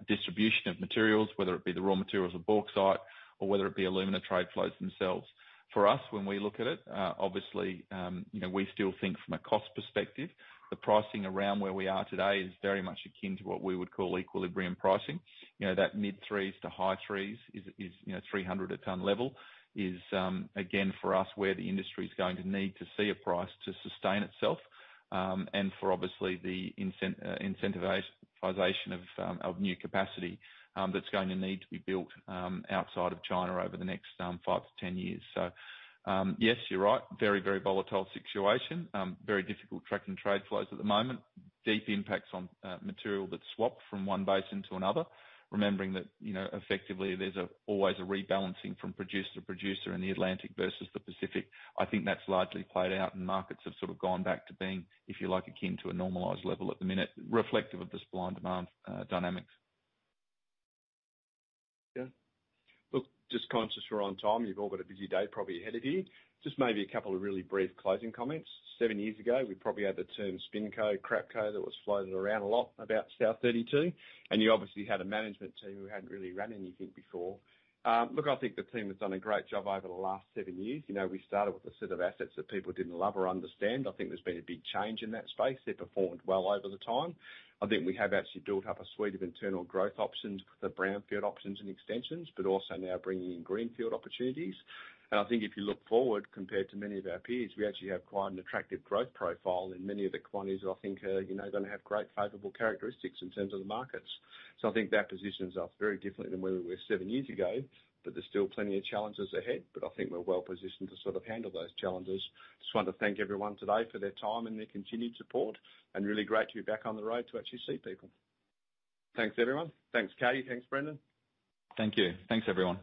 distribution of materials, whether it be the raw materials or bauxite, or whether it be alumina trade flows themselves. For us, when we look at it, obviously, you know, we still think from a cost perspective, the pricing around where we are today is very much akin to what we would call equilibrium pricing. You know, that mid-threes to high threes is, you know, $300 a ton level, is, again, for us, where the industry's going to need to see a price to sustain itself, and for obviously the incentivization of, of new capacity, that's going to need to be built, outside of China over the next 5 to 10 years. So, yes, you're right, very, very volatile situation. Very difficult tracking trade flows at the moment.... deep impacts on material that's swapped from one basin to another, remembering that, you know, effectively, there's always a rebalancing from producer to producer in the Atlantic versus the Pacific. I think that's largely played out, and markets have sort of gone back to being, if you like, akin to a normalized level at the minute, reflective of the supply and demand dynamics. Yeah. Look, just conscious we're on time. You've all got a busy day, probably ahead of you. Just maybe a couple of really brief closing comments. Seven years ago, we probably had the term SpinCo, CrapCo, that was floated around a lot about South32, and you obviously had a management team who hadn't really ran anything before. Look, I think the team has done a great job over the last seven years. You know, we started with a set of assets that people didn't love or understand. I think there's been a big change in that space. They've performed well over the time. I think we have actually built up a suite of internal growth options, the brownfield options and extensions, but also now bringing in greenfield opportunities. And I think if you look forward, compared to many of our peers, we actually have quite an attractive growth profile in many of the quantities that I think are, you know, gonna have great, favorable characteristics in terms of the markets. So I think that positions us very differently than where we were seven years ago, but there's still plenty of challenges ahead, but I think we're well positioned to sort of handle those challenges. Just want to thank everyone today for their time and their continued support, and really great to be back on the road to actually see people. Thanks, everyone. Thanks, Katie. Thanks, Brendan. Thank you. Thanks, everyone.